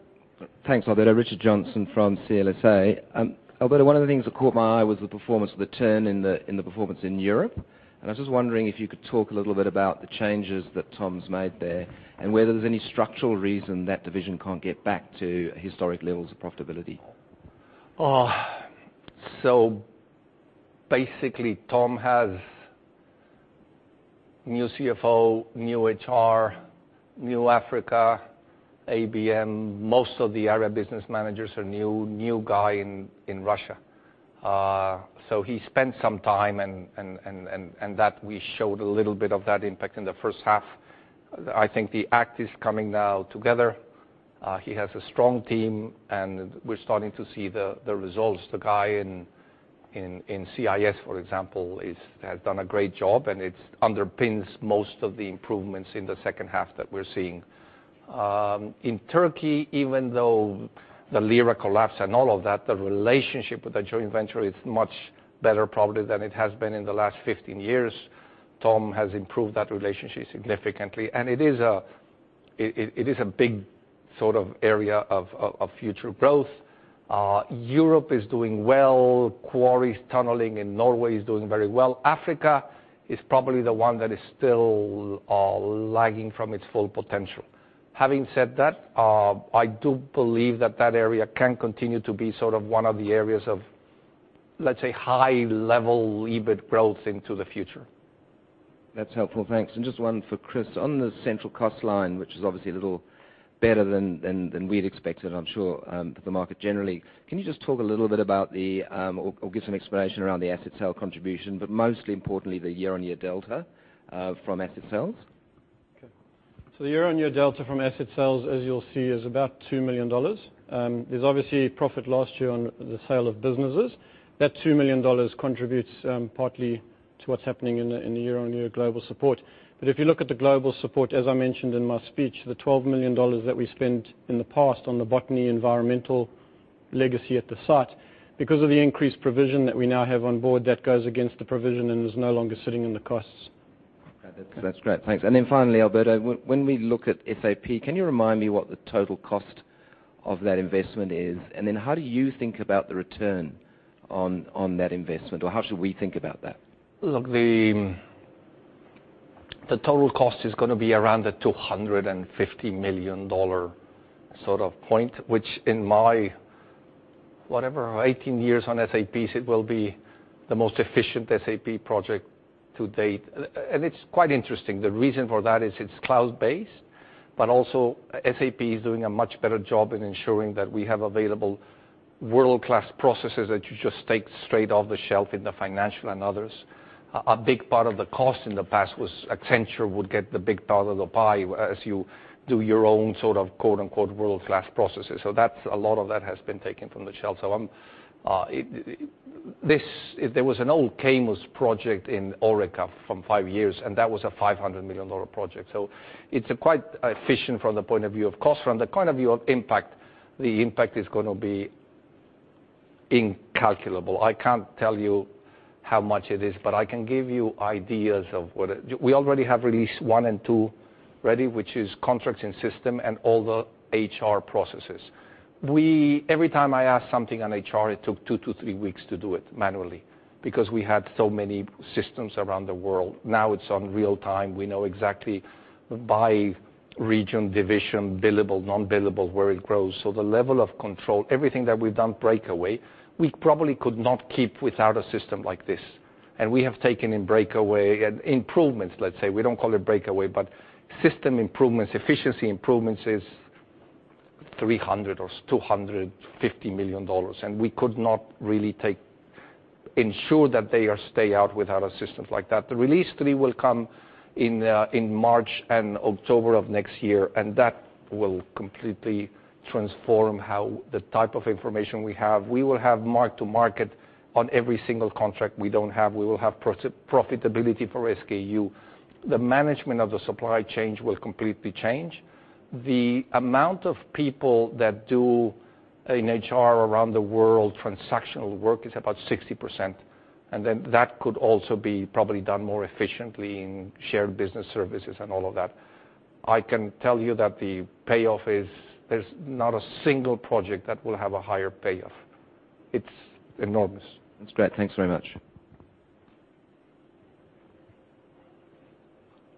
Thanks, Alberto. Richard Johnson from CLSA. Alberto, one of the things that caught my eye was the performance of the turn in the performance in Europe, and I was just wondering if you could talk a little bit about the changes that Tom's made there and whether there's any structural reason that division can't get back to historic levels of profitability. Basically, Tom has new CFO, new HR, new Africa, ABM. Most of the area business managers are new. New guy in Russia. He spent some time, and that we showed a little bit of that impact in the first half. I think the act is coming now together. He has a strong team, and we're starting to see the results. The guy in CIS, for example, has done a great job, and it underpins most of the improvements in the second half that we're seeing. In Turkey, even though the lira collapse and all of that, the relationship with the joint venture is much better probably than it has been in the last 15 years. Tom has improved that relationship significantly, and it is a big area of future growth. Europe is doing well. Quarry tunneling in Norway is doing very well. Africa is probably the one that is still lagging from its full potential. Having said that, I do believe that that area can continue to be one of the areas of, let's say, high-level EBIT growth into the future. That's helpful, thanks. Just one for Chris. On the central cost line, which is obviously a little better than we'd expected, I'm sure, for the market generally. Can you just talk a little bit about the, or give some explanation around the asset sale contribution, most importantly, the year-on-year delta from asset sales? Okay. The year-on-year delta from asset sales, as you'll see, is about 2 million dollars. There's obviously profit last year on the sale of businesses. That 2 million dollars contributes partly to what's happening in the year-on-year global support. If you look at the global support, as I mentioned in my speech, the 12 million dollars that we spent in the past on the Botany environmental legacy at the site. Because of the increased provision that we now have on board, that goes against the provision and is no longer sitting in the costs. Okay. That's great. Thanks. Then finally, Alberto, when we look at SAP, can you remind me what the total cost of that investment is? Then how do you think about the return on that investment, or how should we think about that? Look, the total cost is going to be around the 250 million dollar point, which in my, whatever, 18 years on SAP, it will be the most efficient SAP project to date. It's quite interesting. The reason for that is it's cloud-based, but also SAP is doing a much better job in ensuring that we have available world-class processes that you just take straight off the shelf in the financial and others. A big part of the cost in the past was Accenture would get the big part of the pie as you do your own sort of "world-class processes." A lot of that has been taken from the shelf. There was an old Caymus project in Orica from five years, and that was an 500 million dollar project. It's quite efficient from the point of view of cost. From the point of view of impact, the impact is going to be incalculable. I can't tell you how much it is, but I can give you ideas of what. We already have release 1 and 2 ready, which is contracts in system and all the HR processes. Every time I ask something on HR, it took two to three weeks to do it manually because we had so many systems around the world. Now it's on real time. We know exactly by region, division, billable, non-billable, where it grows. The level of control, everything that we've done breakaway, we probably could not keep without a system like this. We have taken in breakaway, improvements, let's say, we don't call it breakaway, but system improvements, efficiency improvements, is 300 million or 250 million dollars. We could not really ensure that they stay out without a system like that. The release 3 will come in March and October of next year, that will completely transform the type of information we have. We will have mark to market on every single contract we don't have. We will have profitability for SKU. The management of the supply chain will completely change. The amount of people that do in HR around the world, transactional work is about 60%. That could also be probably done more efficiently in shared business services and all of that. I can tell you that the payoff is there's not a single project that will have a higher payoff. It's enormous. That's great. Thanks very much.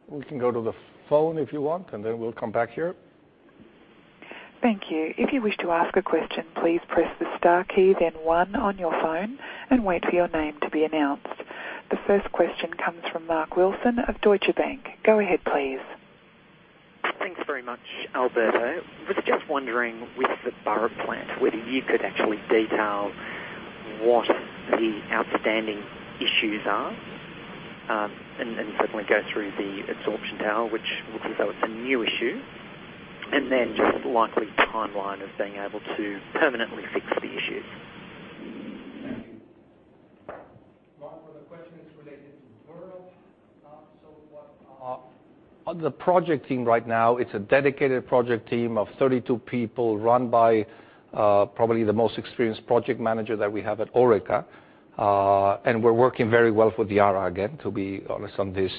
We can go to the phone if you want, then we'll come back here. Thank you. If you wish to ask a question, please press the star key, then one on your phone and wait for your name to be announced. The first question comes from Mark Wilson of Deutsche Bank. Go ahead, please. Thanks very much, Alberto. Was just wondering with the Burrup plant, whether you could actually detail what the outstanding issues are. Certainly go through the absorption tower, which looks as though it's a new issue. Then just likely timeline of being able to permanently fix the issue. Thank you. Mark, for the question, it's related to Burrup. On the project team right now, it's a dedicated project team of 32 people run by probably the most experienced project manager that we have at Orica. We're working very well with Yara again, to be honest on this.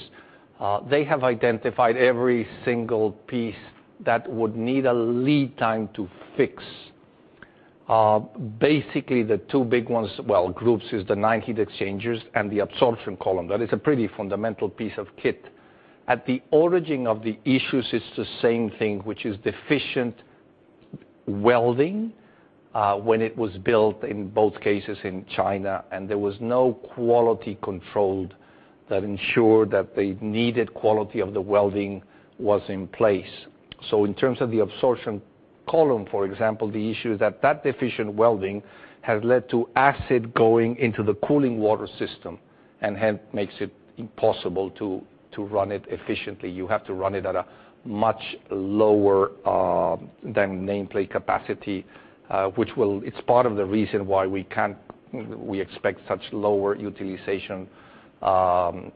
They have identified every single piece that would need a lead time to fix. Basically, the two big ones, well, groups, is the nine heat exchangers and the absorption column. That is a pretty fundamental piece of kit. At the origin of the issues is the same thing, which is deficient welding, when it was built in both cases in China. There was no quality controlled that ensured that the needed quality of the welding was in place. In terms of the absorption column, for example, the issue is that deficient welding has led to acid going into the cooling water system and hence makes it impossible to run it efficiently. You have to run it at a much lower than nameplate capacity, which it's part of the reason why we expect such lower utilization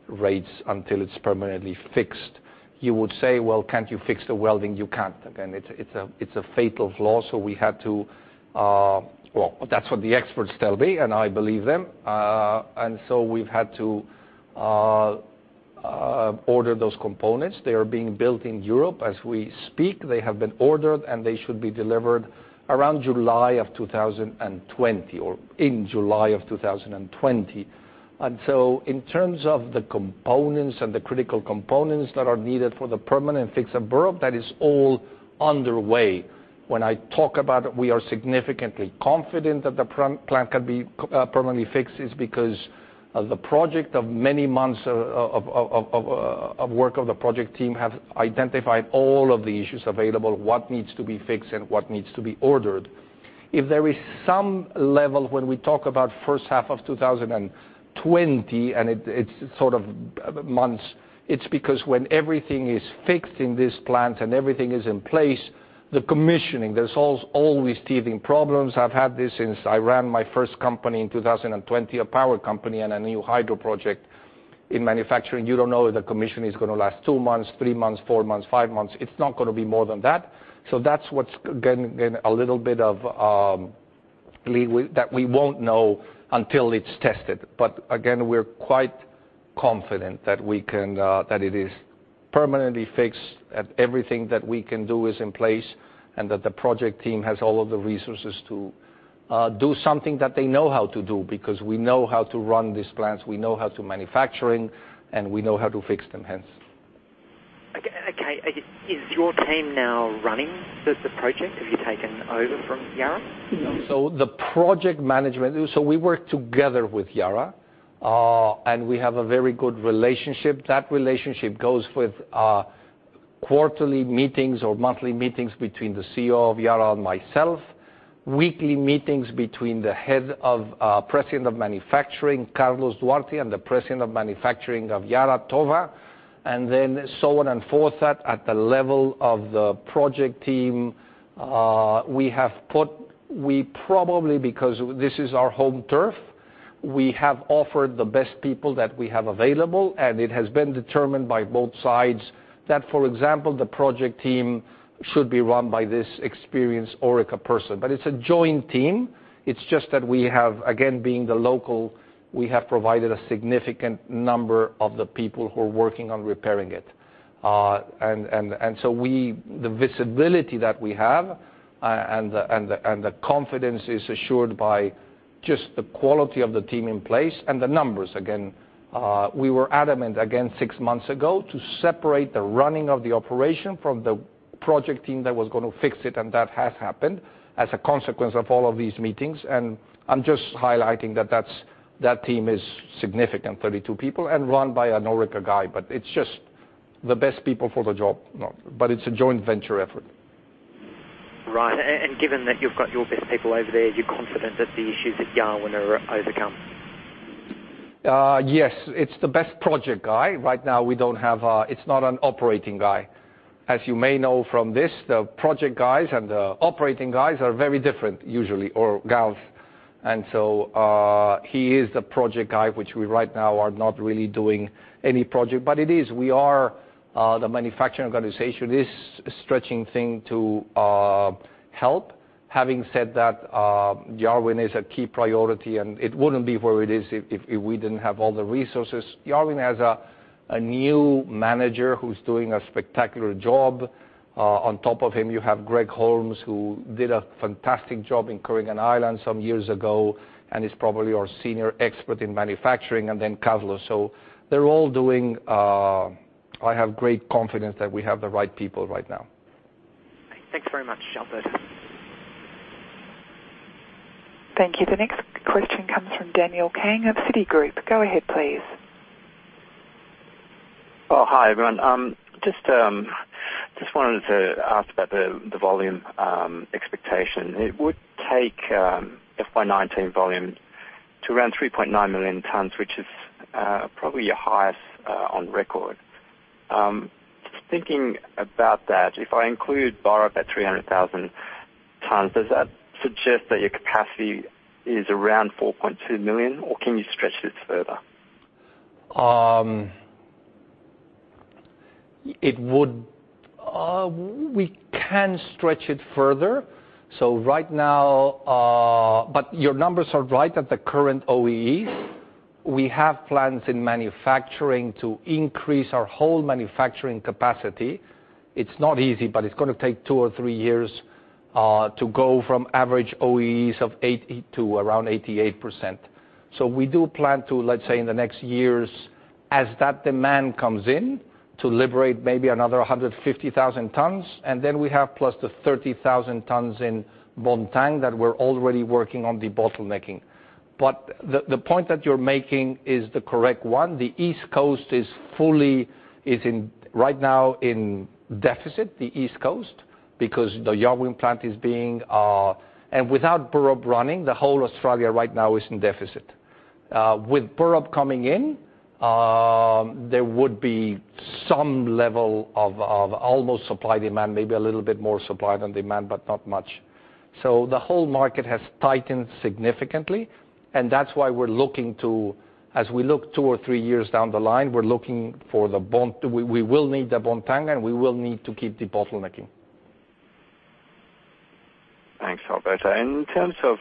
rates until it's permanently fixed. You would say, "Well, can't you fix the welding?" You can't. Again, it's a fatal flaw. That's what the experts tell me, and I believe them. We've had to order those components. They are being built in Europe as we speak. They have been ordered, and they should be delivered around July of 2020 or in July of 2020. In terms of the components and the critical components that are needed for the permanent fix of Burrup, that is all underway. When I talk about we are significantly confident that the plant can be permanently fixed is because the project of many months of work of the project team have identified all of the issues available, what needs to be fixed and what needs to be ordered. If there is some level when we talk about first half of 2020, and it's sort of months, it's because when everything is fixed in this plant and everything is in place, the commissioning, there's always teething problems. I've had this since I ran my first company in 2020, a power company and a new hydro project in manufacturing. You don't know if the commission is gonna last two months, three months, four months, five months. It's not gonna be more than that. That's what's getting a little bit of, that we won't know until it's tested. Again, we're quite confident that it is permanently fixed and everything that we can do is in place and that the project team has all of the resources to do something that they know how to do because we know how to run these plants, we know how to manufacture, and we know how to fix them hence. Okay. Is your team now running the project? Have you taken over from Yara? The project management, we work together with Yara, and we have a very good relationship. That relationship goes with quarterly meetings or monthly meetings between the CEO of Yara and myself, weekly meetings between the head of President of Manufacturing, Carlos Duarte, and the President of Manufacturing of Yara, Tove, and then so on and forth at the level of the project team. We probably, because this is our home turf, we have offered the best people that we have available, and it has been determined by both sides that, for example, the project team should be run by this experienced Orica person. It's a joint team. It's just that we have, again, being the local, we have provided a significant number of the people who are working on repairing it. The visibility that we have and the confidence is assured by just the quality of the team in place and the numbers. Again, we were adamant, again, 6 months ago to separate the running of the operation from the project team that was going to fix it, and that has happened as a consequence of all of these meetings. I'm just highlighting that that team is significant, 32 people, and run by an Orica guy, but it's just the best people for the job. It's a joint venture effort. Right. Given that you've got your best people over there, you're confident that the issues at Yarwun are overcome? Yes. It's the best project guy. Right now, it's not an operating guy. As you may know from this, the project guys and the operating guys are very different usually, or gals. He is the project guy, which we right now are not really doing any project, but it is. The manufacturing organization is a stretching thing to help. Having said that, Yarwun is a key priority, and it wouldn't be where it is if we didn't have all the resources. Yarwun has a new manager who's doing a spectacular job. On top of him, you have Greg Holmes, who did a fantastic job in Kooragang Island some years ago and is probably our senior expert in manufacturing, and then Carlos. They're all doing I have great confidence that we have the right people right now. Thanks very much, Alberto. Thank you. The next question comes from Daniel Kang of Citigroup. Go ahead, please. Hi, everyone. Just wanted to ask about the volume expectation. It would take FY 2019 volume to around 3.9 million tons, which is probably your highest on record. Just thinking about that, if I include Burrup at 300,000 tons, does that suggest that your capacity is around 4.2 million, or can you stretch this further? We can stretch it further. Right now, your numbers are right at the current OEE. We have plans in manufacturing to increase our whole manufacturing capacity. It's not easy, but it's going to take two or three years to go from average OEEs to around 88%. We do plan to, let's say, in the next years, as that demand comes in, to liberate maybe another 150,000 tons, and then we have plus the 30,000 tons in Bontang that we're already working on debottlenecking. The point that you're making is the correct one. The East Coast is right now in deficit, the East Coast, because the Yarwun plant is being. Without Burrup running, the whole Australia right now is in deficit. With Burrup coming in, there would be some level of almost supply-demand, maybe a little bit more supply than demand, but not much. The whole market has tightened significantly, that's why we're looking to, as we look two or three years down the line, we're looking for the Bontang. We will need the Bontang, we will need to keep debottlenecking. Thanks, Alberto. In terms of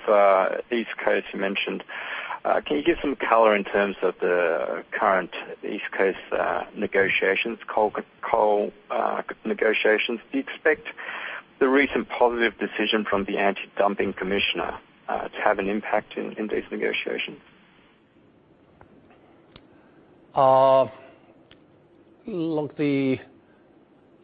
East Coast, you mentioned, can you give some color in terms of the current East Coast negotiations, coal negotiations? Do you expect the recent positive decision from the anti-dumping commissioner to have an impact in these negotiations? Look,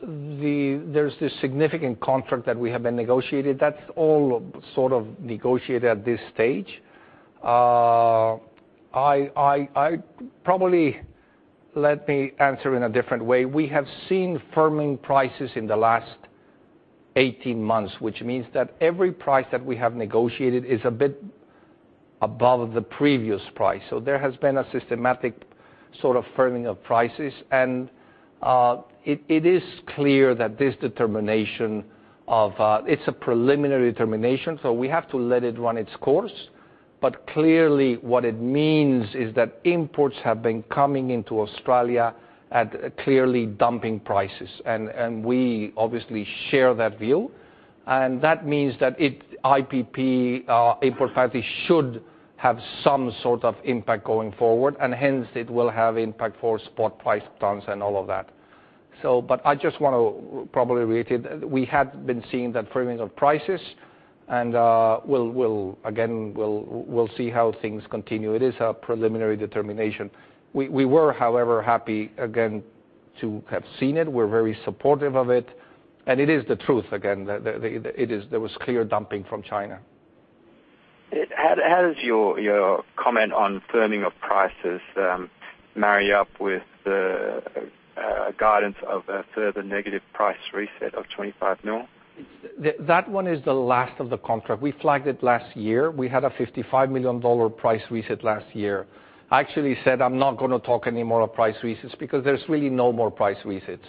there's this significant contract that we have been negotiated. That's all sort of negotiated at this stage. Probably let me answer in a different way. We have seen firming prices in the last 18 months, which means that every price that we have negotiated is a bit above the previous price. There has been a systematic sort of firming of prices, it is clear that this determination of It's a preliminary determination, so we have to let it run its course. Clearly what it means is that imports have been coming into Australia at clearly dumping prices. We obviously share that view, that means that IPP import parties should have some sort of impact going forward, hence it will have impact for spot price tons and all of that. I just want to probably reiterate, we have been seeing that firming of prices, again, we'll see how things continue. It is a preliminary determination. We were, however, happy again to have seen it. We're very supportive of it. It is the truth again, there was clear dumping from China. How does your comment on firming of prices marry up with the guidance of a further negative price reset of 25 million? That one is the last of the contract. We flagged it last year. We had a 55 million dollar price reset last year. I actually said I'm not going to talk anymore of price resets because there's really no more price resets.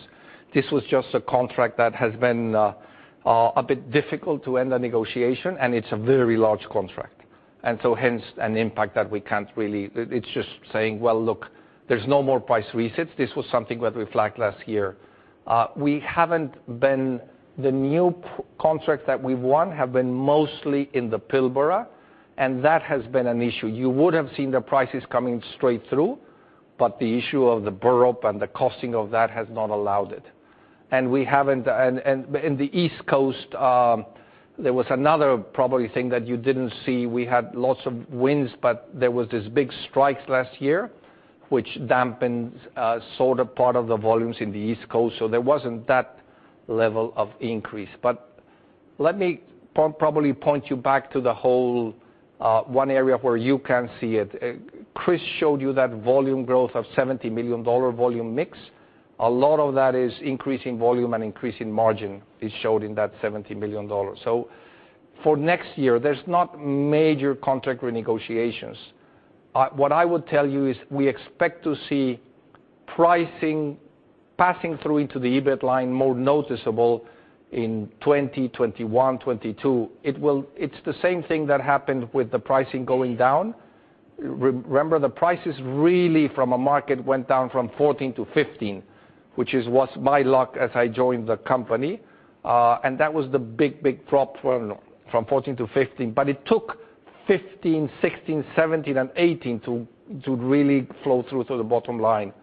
This was just a contract that has been a bit difficult to end the negotiation, and it's a very large contract. Hence, it's just saying, well, look, there's no more price resets. This was something that we flagged last year. The new contracts that we've won have been mostly in the Pilbara, and that has been an issue. You would have seen the prices coming straight through, but the issue of the Burrup and the costing of that has not allowed it. In the East Coast, there was another probably thing that you didn't see. We had lots of wins, but there was this big strike last year, which dampened sort of part of the volumes in the East Coast. There wasn't that level of increase. Let me probably point you back to the whole one area where you can see it. Chris showed you that volume growth of 70 million dollar volume mix. A lot of that is increasing volume and increasing margin is showed in that 70 million dollars. For next year, there's not major contract renegotiations. What I would tell you is we expect to see pricing passing through into the EBIT line more noticeable in 2020, 2021, 2022. It's the same thing that happened with the pricing going down. Remember, the prices really from a market went down from 2014 to 2015, which was my luck as I joined the company. That was the big drop from 2014 to 2015. It took 2015, 2016, 2017, and 2018 to really flow through to the bottom line.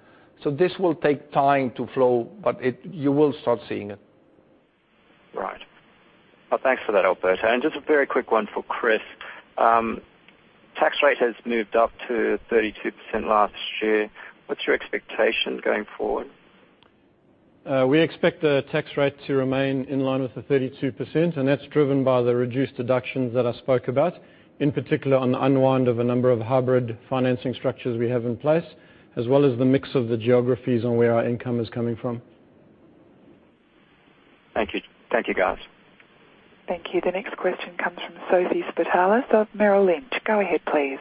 This will take time to flow, but you will start seeing it. Well, thanks for that, Alberto. Just a very quick one for Chris. Tax rate has moved up to 32% last year. What's your expectation going forward? We expect the tax rate to remain in line with the 32%, that's driven by the reduced deductions that I spoke about, in particular on the unwind of a number of hybrid financing structures we have in place, as well as the mix of the geographies and where our income is coming from. Thank you. Thank you, guys. Thank you. The next question comes from Sophie Spartalis of Merrill Lynch. Go ahead, please.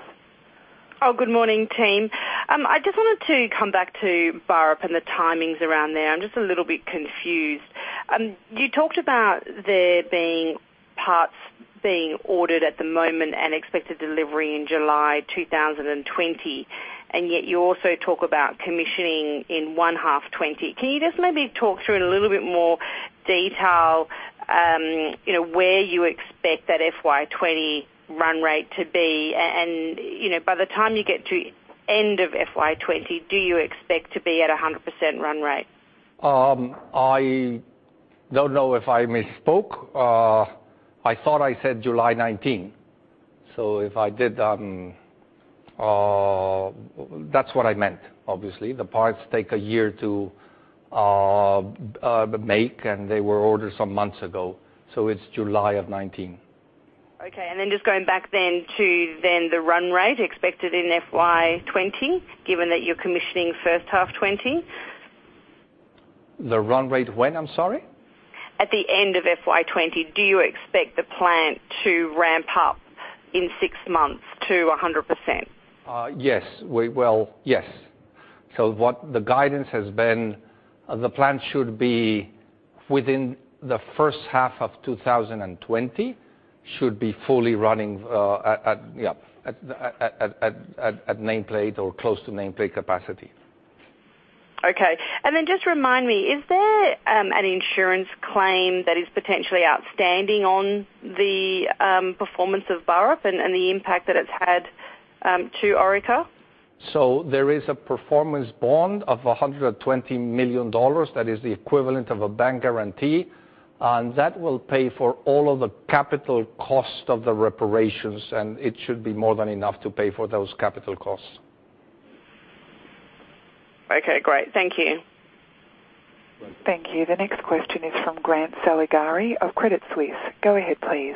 Good morning, team. I just wanted to come back to Burrup and the timings around there. I'm just a little bit confused. You talked about there being parts being ordered at the moment and expected delivery in July 2020, yet you also talk about commissioning in first half 2020. Can you just maybe talk through in a little bit more detail where you expect that FY 2020 run rate to be? By the time you get to end of FY 2020, do you expect to be at 100% run rate? I don't know if I misspoke. I thought I said July 2019. If I did, that's what I meant. Obviously, the parts take a year to make, and they were ordered some months ago, so it's July of 2019. Okay. Just going back then to then the run rate expected in FY 2020, given that you're commissioning first half 2020. The run rate when? I'm sorry. At the end of FY 2020, do you expect the plant to ramp up in six months to 100%? Yes. What the guidance has been, the plant should be within the first half of 2020, should be fully running at nameplate or close to nameplate capacity. Okay. Just remind me, is there an insurance claim that is potentially outstanding on the performance of Burrup and the impact that it's had to Orica? There is a performance bond of 120 million dollars that is the equivalent of a bank guarantee, that will pay for all of the capital cost of the reparations, it should be more than enough to pay for those capital costs. Okay, great. Thank you. Thank you. The next question is from Grant Saligari of Credit Suisse. Go ahead, please.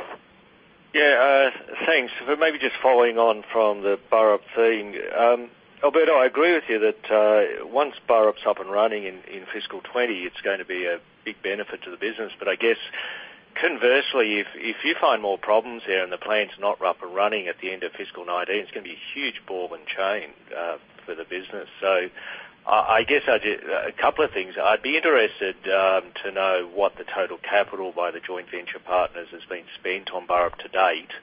Thanks. Maybe just following on from the Burrup thing. Alberto, I agree with you that once Burrup's up and running in FY 2020, it's going to be a big benefit to the business. I guess conversely, if you find more problems there and the plant's not up and running at the end of FY 2019, it's going to be a huge ball and chain for the business. I guess a couple of things. I'd be interested to know what the total capital by the joint venture partners has been spent on Burrup to date.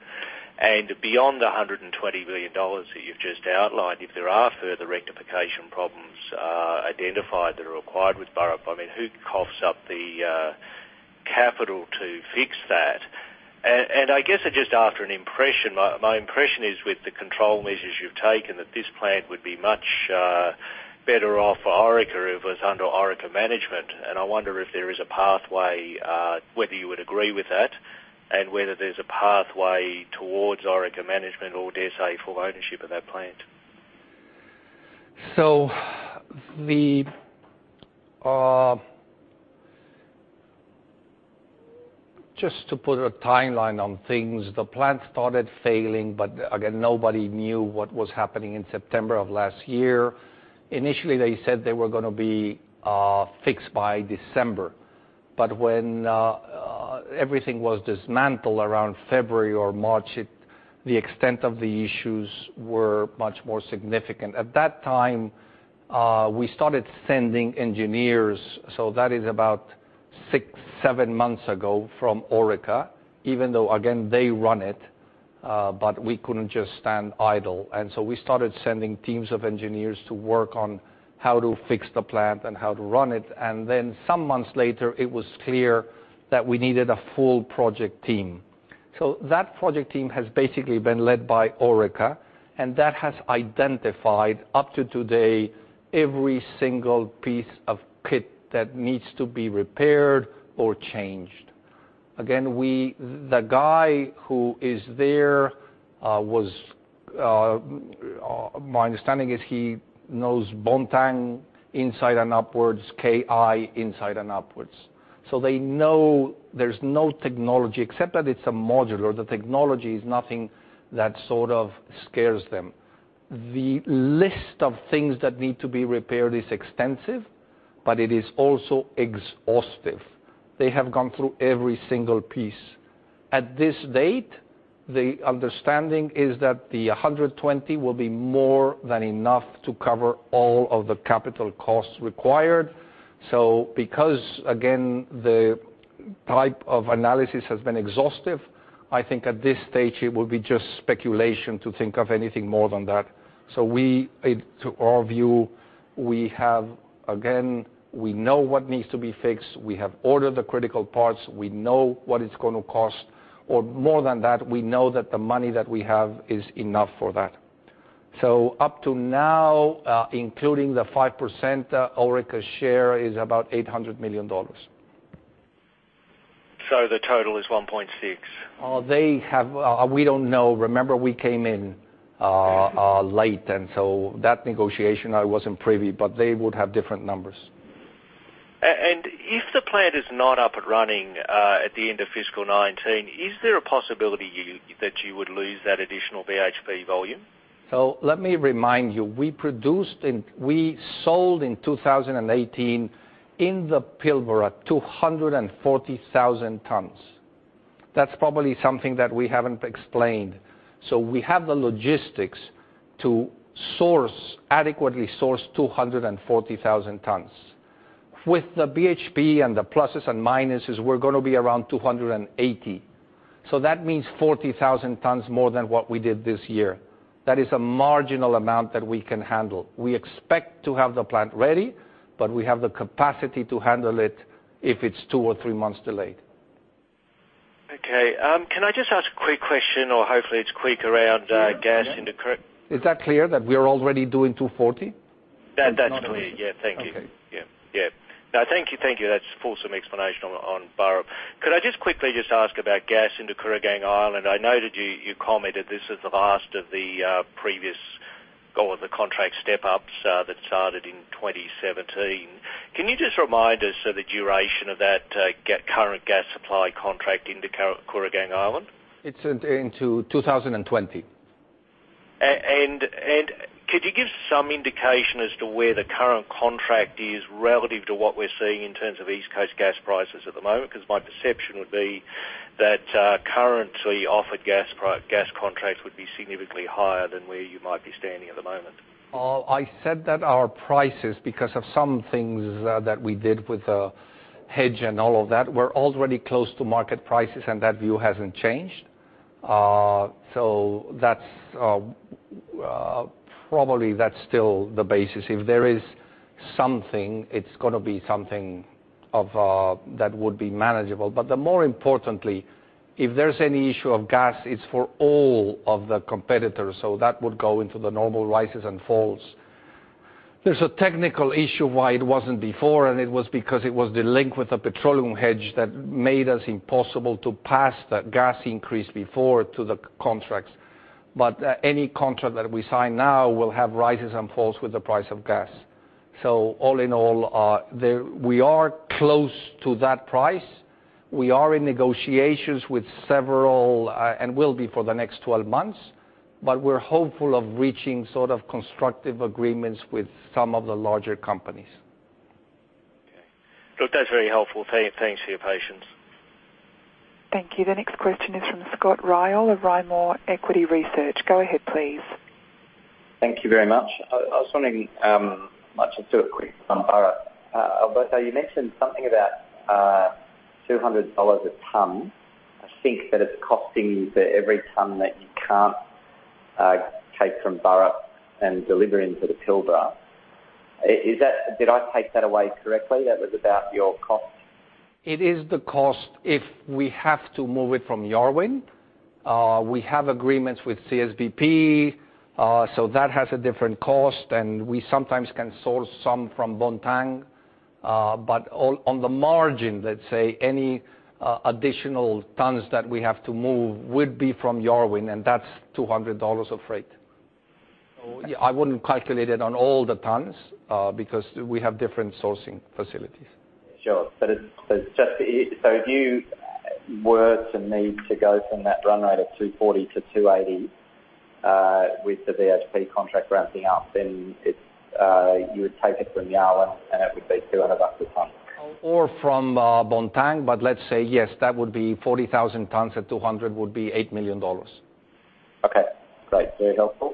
Beyond the 120 million dollars that you've just outlined, if there are further rectification problems identified that are required with Burrup, I mean, who coughs up the capital to fix that? I guess I'm just after an impression. My impression is with the control measures you've taken, that this plant would be much better off for Orica if it was under Orica management. I wonder if there is a pathway, whether you would agree with that, and whether there's a pathway towards Orica management or, dare say, full ownership of that plant. Just to put a timeline on things, the plant started failing, but again, nobody knew what was happening in September of last year. Initially, they said they were going to be fixed by December. When everything was dismantled around February or March, the extent of the issues were much more significant. At that time, we started sending engineers, that is about six, seven months ago from Orica. Even though, again, they run it, we couldn't just stand idle, we started sending teams of engineers to work on how to fix the plant and how to run it. Some months later, it was clear that we needed a full project team. That project team has basically been led by Orica, and that has identified, up to today, every single piece of part that needs to be repaired or changed. The guy who is there, my understanding is he knows Bontang inside and upwards, KI inside and upwards. They know there's no technology except that it's a modular. The technology is nothing that sort of scares them. The list of things that need to be repaired is extensive, but it is also exhaustive. They have gone through every single piece. At this date, the understanding is that the 120 will be more than enough to cover all of the capital costs required. Because, again, the type of analysis has been exhaustive, I think at this stage it will be just speculation to think of anything more than that. To our view, again, we know what needs to be fixed. We have ordered the critical parts. We know what it's going to cost. More than that, we know that the money that we have is enough for that. Up to now, including the 5%, Orica's share is about 800 million dollars. The total is 1.6. We don't know. Remember, we came in late, that negotiation, I wasn't privy, but they would have different numbers. If the plant is not up and running at the end of fiscal 2019, is there a possibility that you would lose that additional BHP volume? Let me remind you, we sold in 2018 in the Pilbara 240,000 tons. That's probably something that we haven't explained. We have the logistics to adequately source 240,000 tons. With the BHP and the pluses and minuses, we're going to be around 280. That means 40,000 tons more than what we did this year. That is a marginal amount that we can handle. We expect to have the plant ready, but we have the capacity to handle it if it's two or three months delayed. Okay. Can I just ask a quick question, or hopefully it's quick, around gas into Kur- Is that clear that we are already doing 240? That's clear. Yeah. Thank you. Okay. Yeah. No, thank you. That's a full explanation on Burrup. Could I just quickly just ask about gas into Kooragang Island? I noted you commented this is the last of the previous contract step-ups that started in 2017. Can you just remind us of the duration of that current gas supply contract into Kooragang Island? It's into 2020. Could you give some indication as to where the current contract is relative to what we're seeing in terms of East Coast gas prices at the moment? My perception would be that currently offered gas contracts would be significantly higher than where you might be standing at the moment. I said that our prices, because of some things that we did with the hedge and all of that, were already close to market prices, and that view hasn't changed. Probably that's still the basis. If there is something, it's going to be something that would be manageable. More importantly, if there's any issue of gas, it's for all of the competitors, so that would go into the normal rises and falls. There's a technical issue why it wasn't before, and it was because it was delinked with the petroleum hedge that made us impossible to pass that gas increase before to the contracts. Any contract that we sign now will have rises and falls with the price of gas. All in all, we are close to that price. We are in negotiations with several, and will be for the next 12 months, but we're hopeful of reaching sort of constructive agreements with some of the larger companies. Okay. Look, that's very helpful. Thanks for your patience. Thank you. The next question is from Scott Ryall of Rimor Equity Research. Go ahead, please. Thank you very much. I'll do it quick on Burrup. Alberto, you mentioned something about 200 dollars a ton, I think, that it's costing you for every ton that you can't take from Burrup and deliver into the Pilbara. Did I take that away correctly? That was about your cost. It is the cost if we have to move it from Yarwun. We have agreements with CSBP, so that has a different cost, and we sometimes can source some from Bontang. On the margin, let's say, any additional tons that we have to move would be from Yarwun, and that's 200 dollars of freight. I wouldn't calculate it on all the tons because we have different sourcing facilities. Sure. If you were to need to go from that run rate of 240 to 280 with the BHP contract ramping up, then you would take it from Yarwun, and it would be 200 bucks a ton. From Bontang, but let's say yes, that would be 40,000 tons at 200 would be 8 million dollars. Okay, great. Very helpful.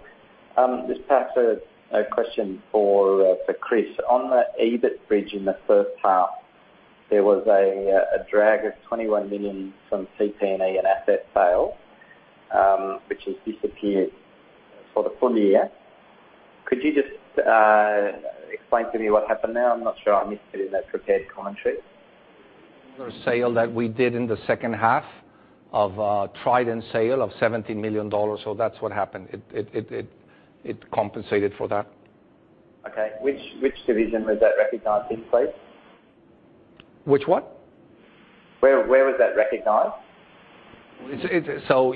Just perhaps a question for Chris. On the EBIT bridge in the first half, there was a drag of 21 million from CP&E and asset sales, which has disappeared for the full year. Could you just explain to me what happened there? I'm not sure I missed it in that prepared commentary. There was a sale that we did in the second half of a Trident sale of 17 million dollars. That's what happened. It compensated for that. Okay, which division was that recognized in, please? Which what? Where was that recognized?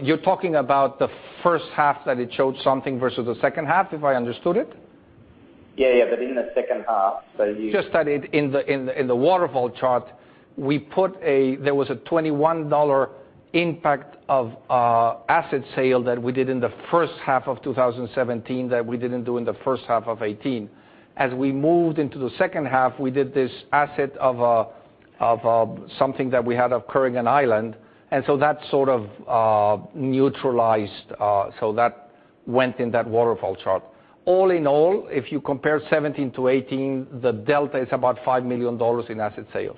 You're talking about the first half that it showed something versus the second half, if I understood it? Yeah. In the second half. Just that in the waterfall chart, there was an 21 dollar impact of asset sale that we did in the first half of 2017 that we didn't do in the first half of 2018. As we moved into the second half, we did this asset of something that we had of Kooragang Island, that sort of neutralized, that went in that waterfall chart. All in all, if you compare 2017 to 2018, the delta is about 5 million dollars in asset sales.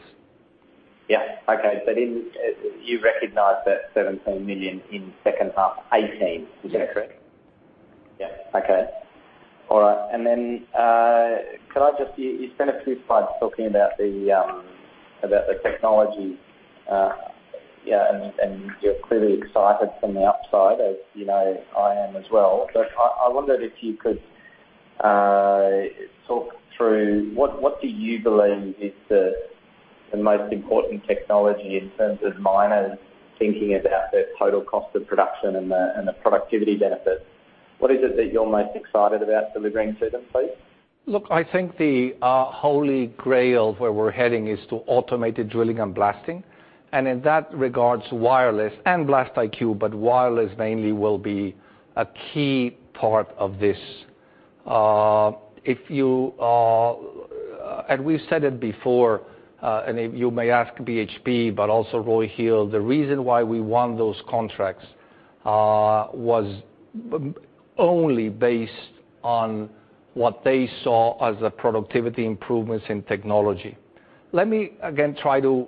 Yeah. Okay. You recognized that 17 million in second half 2018. Is that correct? Yes. Okay. All right. You spent a few slides talking about the technology, and you're clearly excited from the upside, as you know I am as well. I wondered if you could talk through what do you believe is the most important technology in terms of miners thinking about their total cost of production and the productivity benefits. What is it that you're most excited about delivering to them, please? Look, I think the holy grail of where we're heading is to automated drilling and blasting. In that regards, wireless and BlastIQ, but wireless mainly will be a key part of this. We've said it before, and you may ask BHP, but also Roy Hill. The reason why we won those contracts was only based on what they saw as the productivity improvements in technology. Let me again try to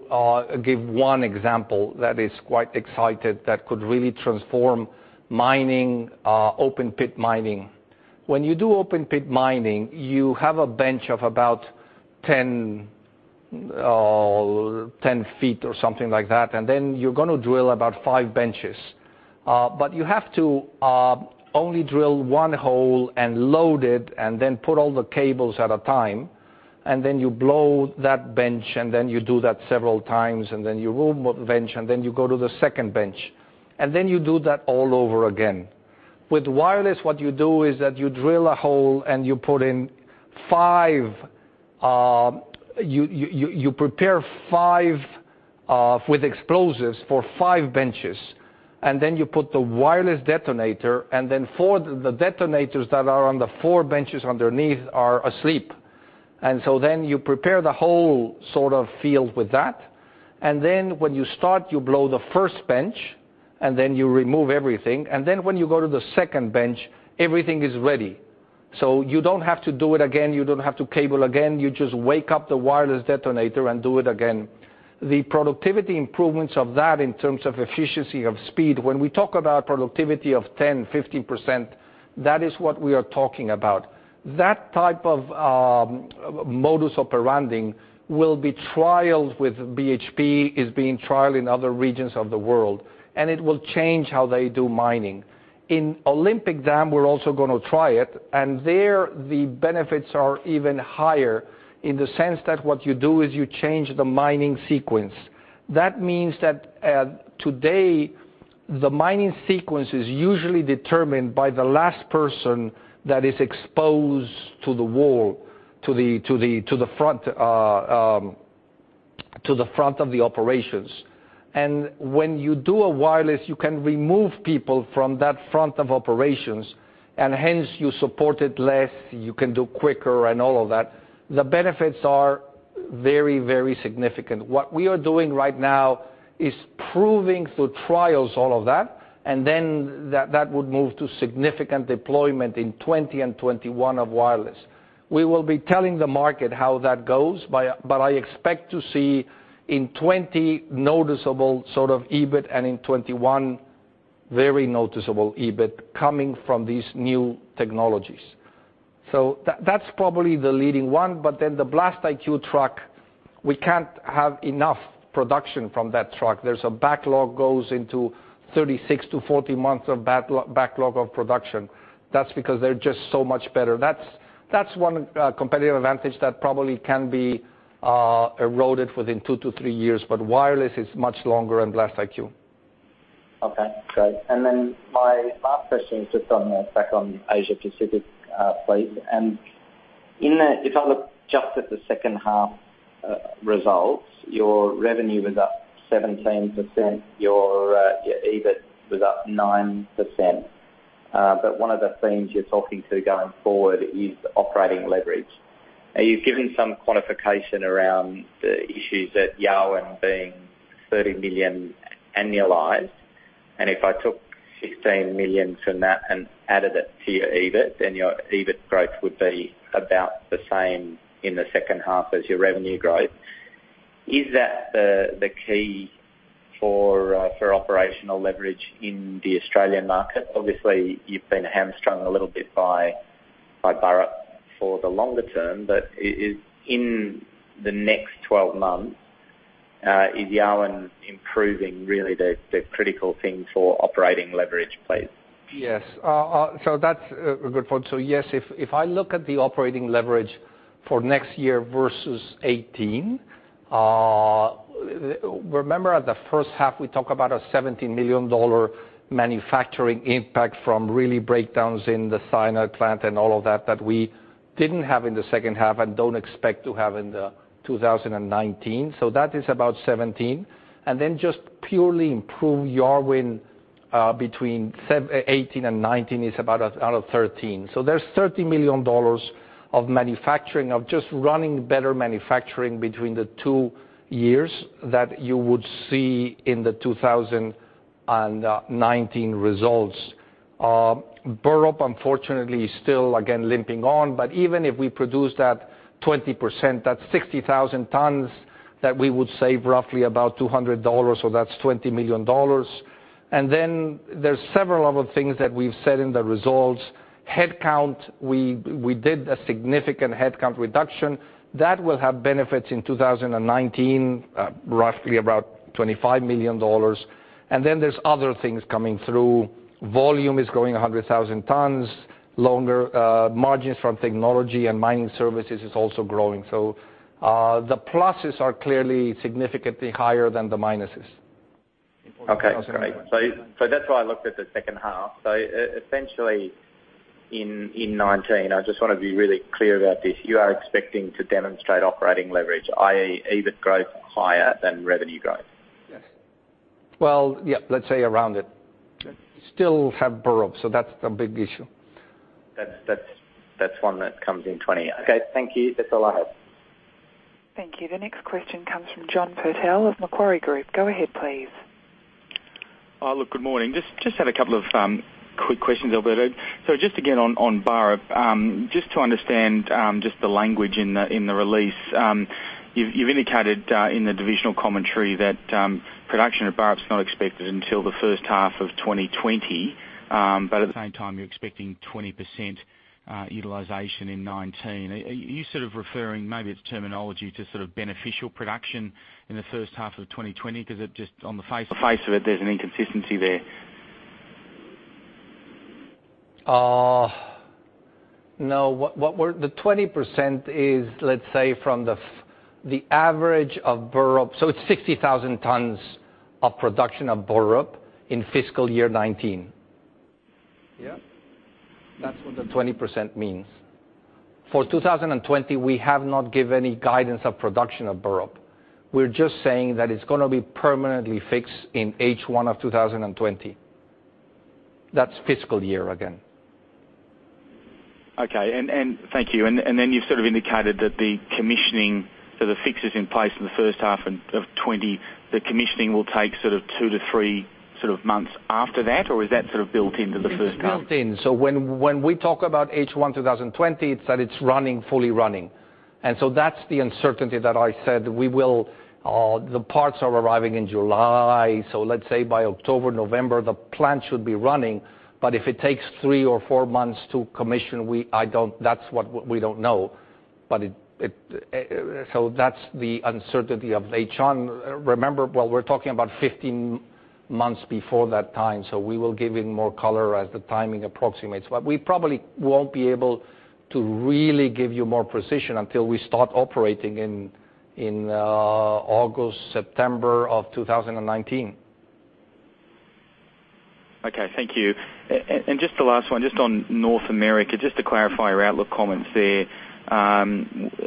give one example that is quite exciting that could really transform mining, open-pit mining. When you do open-pit mining, you have a bench of about 10 feet or something like that, and then you're going to drill about five benches. You have to only drill one hole and load it, then put all the cables at a time, then you blow that bench, then you do that several times, then you move bench, then you go to the second bench. You do that all over again. With wireless, what you do is that you drill a hole, and you prepare five with explosives for five benches. You put the wireless detonator, then the detonators that are on the four benches underneath are asleep. You prepare the whole sort of field with that. When you start, you blow the first bench, then you remove everything. When you go to the second bench, everything is ready. You don't have to do it again. You don't have to cable again. You just wake up the wireless detonator and do it again. The productivity improvements of that in terms of efficiency, of speed, when we talk about productivity of 10%-15%, that is what we are talking about. That type of modus operandi will be trialed with BHP, is being trialed in other regions of the world, and it will change how they do mining. In Olympic Dam, we're also going to try it, and there the benefits are even higher in the sense that what you do is you change the mining sequence. That means that today, the mining sequence is usually determined by the last person that is exposed to the wall, to the front of the operations. When you do a wireless, you can remove people from that front of operations, and hence you support it less, you can do quicker, and all of that. The benefits are very, very significant. What we are doing right now is proving through trials all of that, then that would move to significant deployment in 2020 and 2021 of wireless. We will be telling the market how that goes, but I expect to see in 2020 noticeable sort of EBIT and in 2021 very noticeable EBIT coming from these new technologies. That's probably the leading one. The BlastIQ truck, we can't have enough production from that truck. There's a backlog goes into 36-40 months of backlog of production. That's because they're just so much better. That's one competitive advantage that probably can be eroded within 2-3 years, but wireless is much longer than BlastIQ. Okay, great. My last question is just back on Asia Pacific, please. If I look just at the second half results, your revenue was up 17%, your EBIT was up 9%. One of the things you're talking to going forward is operating leverage. Now you've given some quantification around the issues at Yarwun being 30 million annualized. If I took 16 million from that and added it to your EBIT, your EBIT growth would be about the same in the second half as your revenue growth. Is that the key for operational leverage in the Australian market? Obviously, you've been hamstrung a little bit by Burrup for the longer term, but in the next 12 months, is Yarwun improving really the critical thing for operating leverage, please? Yes. That's a good point. Yes, if I look at the operating leverage for next year versus 2018, remember at the first half, we talk about an 17 million dollar manufacturing impact from really breakdowns in the cyanide plant and all of that we didn't have in the second half and don't expect to have in 2019. That is about 17 million. Just purely improve Yarwun between 2018 and 2019 is about 13 million. There's 30 million dollars of manufacturing, of just running better manufacturing between the two years that you would see in the 2019 results. Burrup, unfortunately, is still again limping on. But even if we produce that 20%, that's 60,000 tons that we would save roughly about 200 dollars, so that's 20 million dollars. There's several other things that we've said in the results. Headcount, we did a significant headcount reduction. That will have benefits in 2019, roughly about 25 million dollars. There's other things coming through. Volume is growing 100,000 tons. Longer margins from technology and mining services is also growing. The pluses are clearly significantly higher than the minuses. Okay, great. That's why I looked at the second half. Essentially in 2019, I just want to be really clear about this, you are expecting to demonstrate operating leverage, i.e. EBIT growth higher than revenue growth? Yes. Well, yeah, let's say around it. Still have Burrup, that's the big issue. That's one that comes in 2020. Okay, thank you. That's all I have. Thank you. The next question comes from John Purtell of Macquarie Group. Go ahead, please. Good morning. Just had a couple of quick questions, Alberto. Just again on Burrup, just to understand just the language in the release. You've indicated in the divisional commentary that production at Burrup is not expected until the first half of 2020, but at the same time, you're expecting 20% utilization in 2019. Are you sort of referring, maybe it's terminology, to sort of beneficial production in the first half of 2020? Because just on the face of it, there's an inconsistency there. The 20% is, let's say, from the average of Burrup. It's 60,000 tonnes of production of Burrup in fiscal year 2019. Yeah. That's what the 20% means. For 2020, we have not given any guidance of production of Burrup. We're just saying that it's going to be permanently fixed in H1 of 2020. That's fiscal year again. Okay. Thank you. You've sort of indicated that the commissioning for the fixes in place in the first half of 2020, the commissioning will take sort of 2-3 months after that, or is that sort of built into the first half? It's built in. When we talk about H1 2020, it's that it's fully running. That's the uncertainty that I said we will. The parts are arriving in July. Let's say by October, November, the plant should be running. If it takes 3 or 4 months to commission, that's what we don't know. That's the uncertainty of H1. Remember, we're talking about 15 months before that time, so we will give it more color as the timing approximates. We probably won't be able to really give you more precision until we start operating in August, September of 2019. Okay, thank you. Just the last one, just on North America, just to clarify your outlook comments there,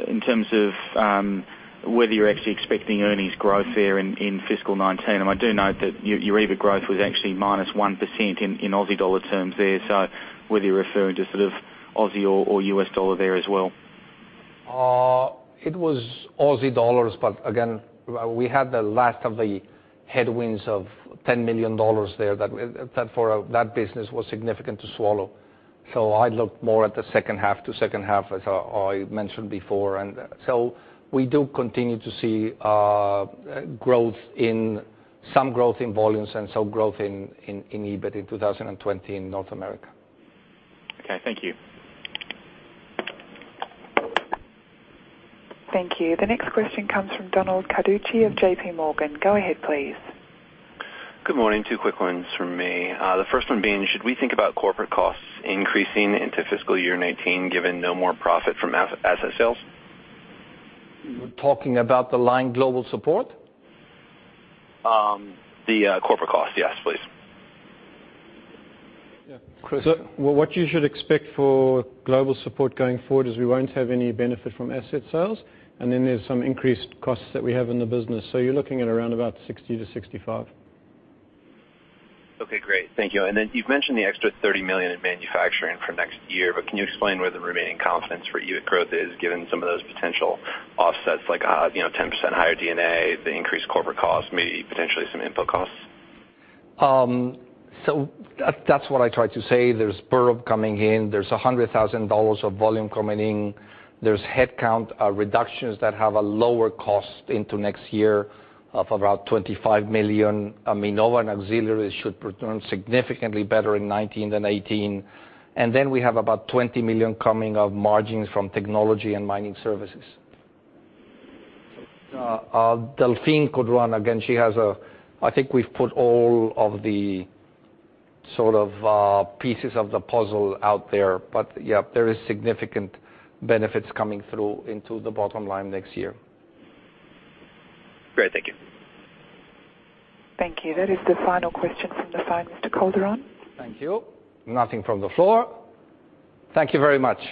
in terms of whether you're actually expecting earnings growth there in fiscal 2019. I do note that your EBIT growth was actually minus 1% in AUD terms there. Whether you're referring to sort of AUD or U.S. dollar there as well. It was AUD, but again, we had the last of the headwinds of 10 million dollars there. That for that business was significant to swallow. I look more at the second half to second half, as I mentioned before. We do continue to see some growth in volumes and some growth in EBIT in 2020 in North America. Okay, thank you. Thank you. The next question comes from Donald Carducci of JP Morgan. Go ahead, please. Good morning. Two quick ones from me. The first one being, should we think about corporate costs increasing into FY 2019, given no more profit from asset sales? You're talking about the line Global Support? The corporate cost, yes, please. What you should expect for Global Support going forward is we won't have any benefit from asset sales, and then there's some increased costs that we have in the business. You're looking at around about 60-65. Okay, great. Thank you. You've mentioned the extra 30 million in manufacturing for next year, can you explain where the remaining confidence for EBIT growth is given some of those potential offsets like, 10% higher D&A, the increased corporate cost, maybe potentially some info costs? That's what I tried to say. There's Burrup coming in. There's 100,000 of volume coming in. There's headcount reductions that have a lower cost into next year of about 25 million. Minova and Auxiliaries should return significantly better in 2019 than 2018. Then we have about 20 million coming of margins from technology and mining services. Delphine could run, again, I think we've put all of the sort of pieces of the puzzle out there. Yeah, there is significant benefits coming through into the bottom line next year. Great. Thank you. Thank you. That is the final question from the phone, Mr. Calderon. Thank you. Nothing from the floor. Thank you very much.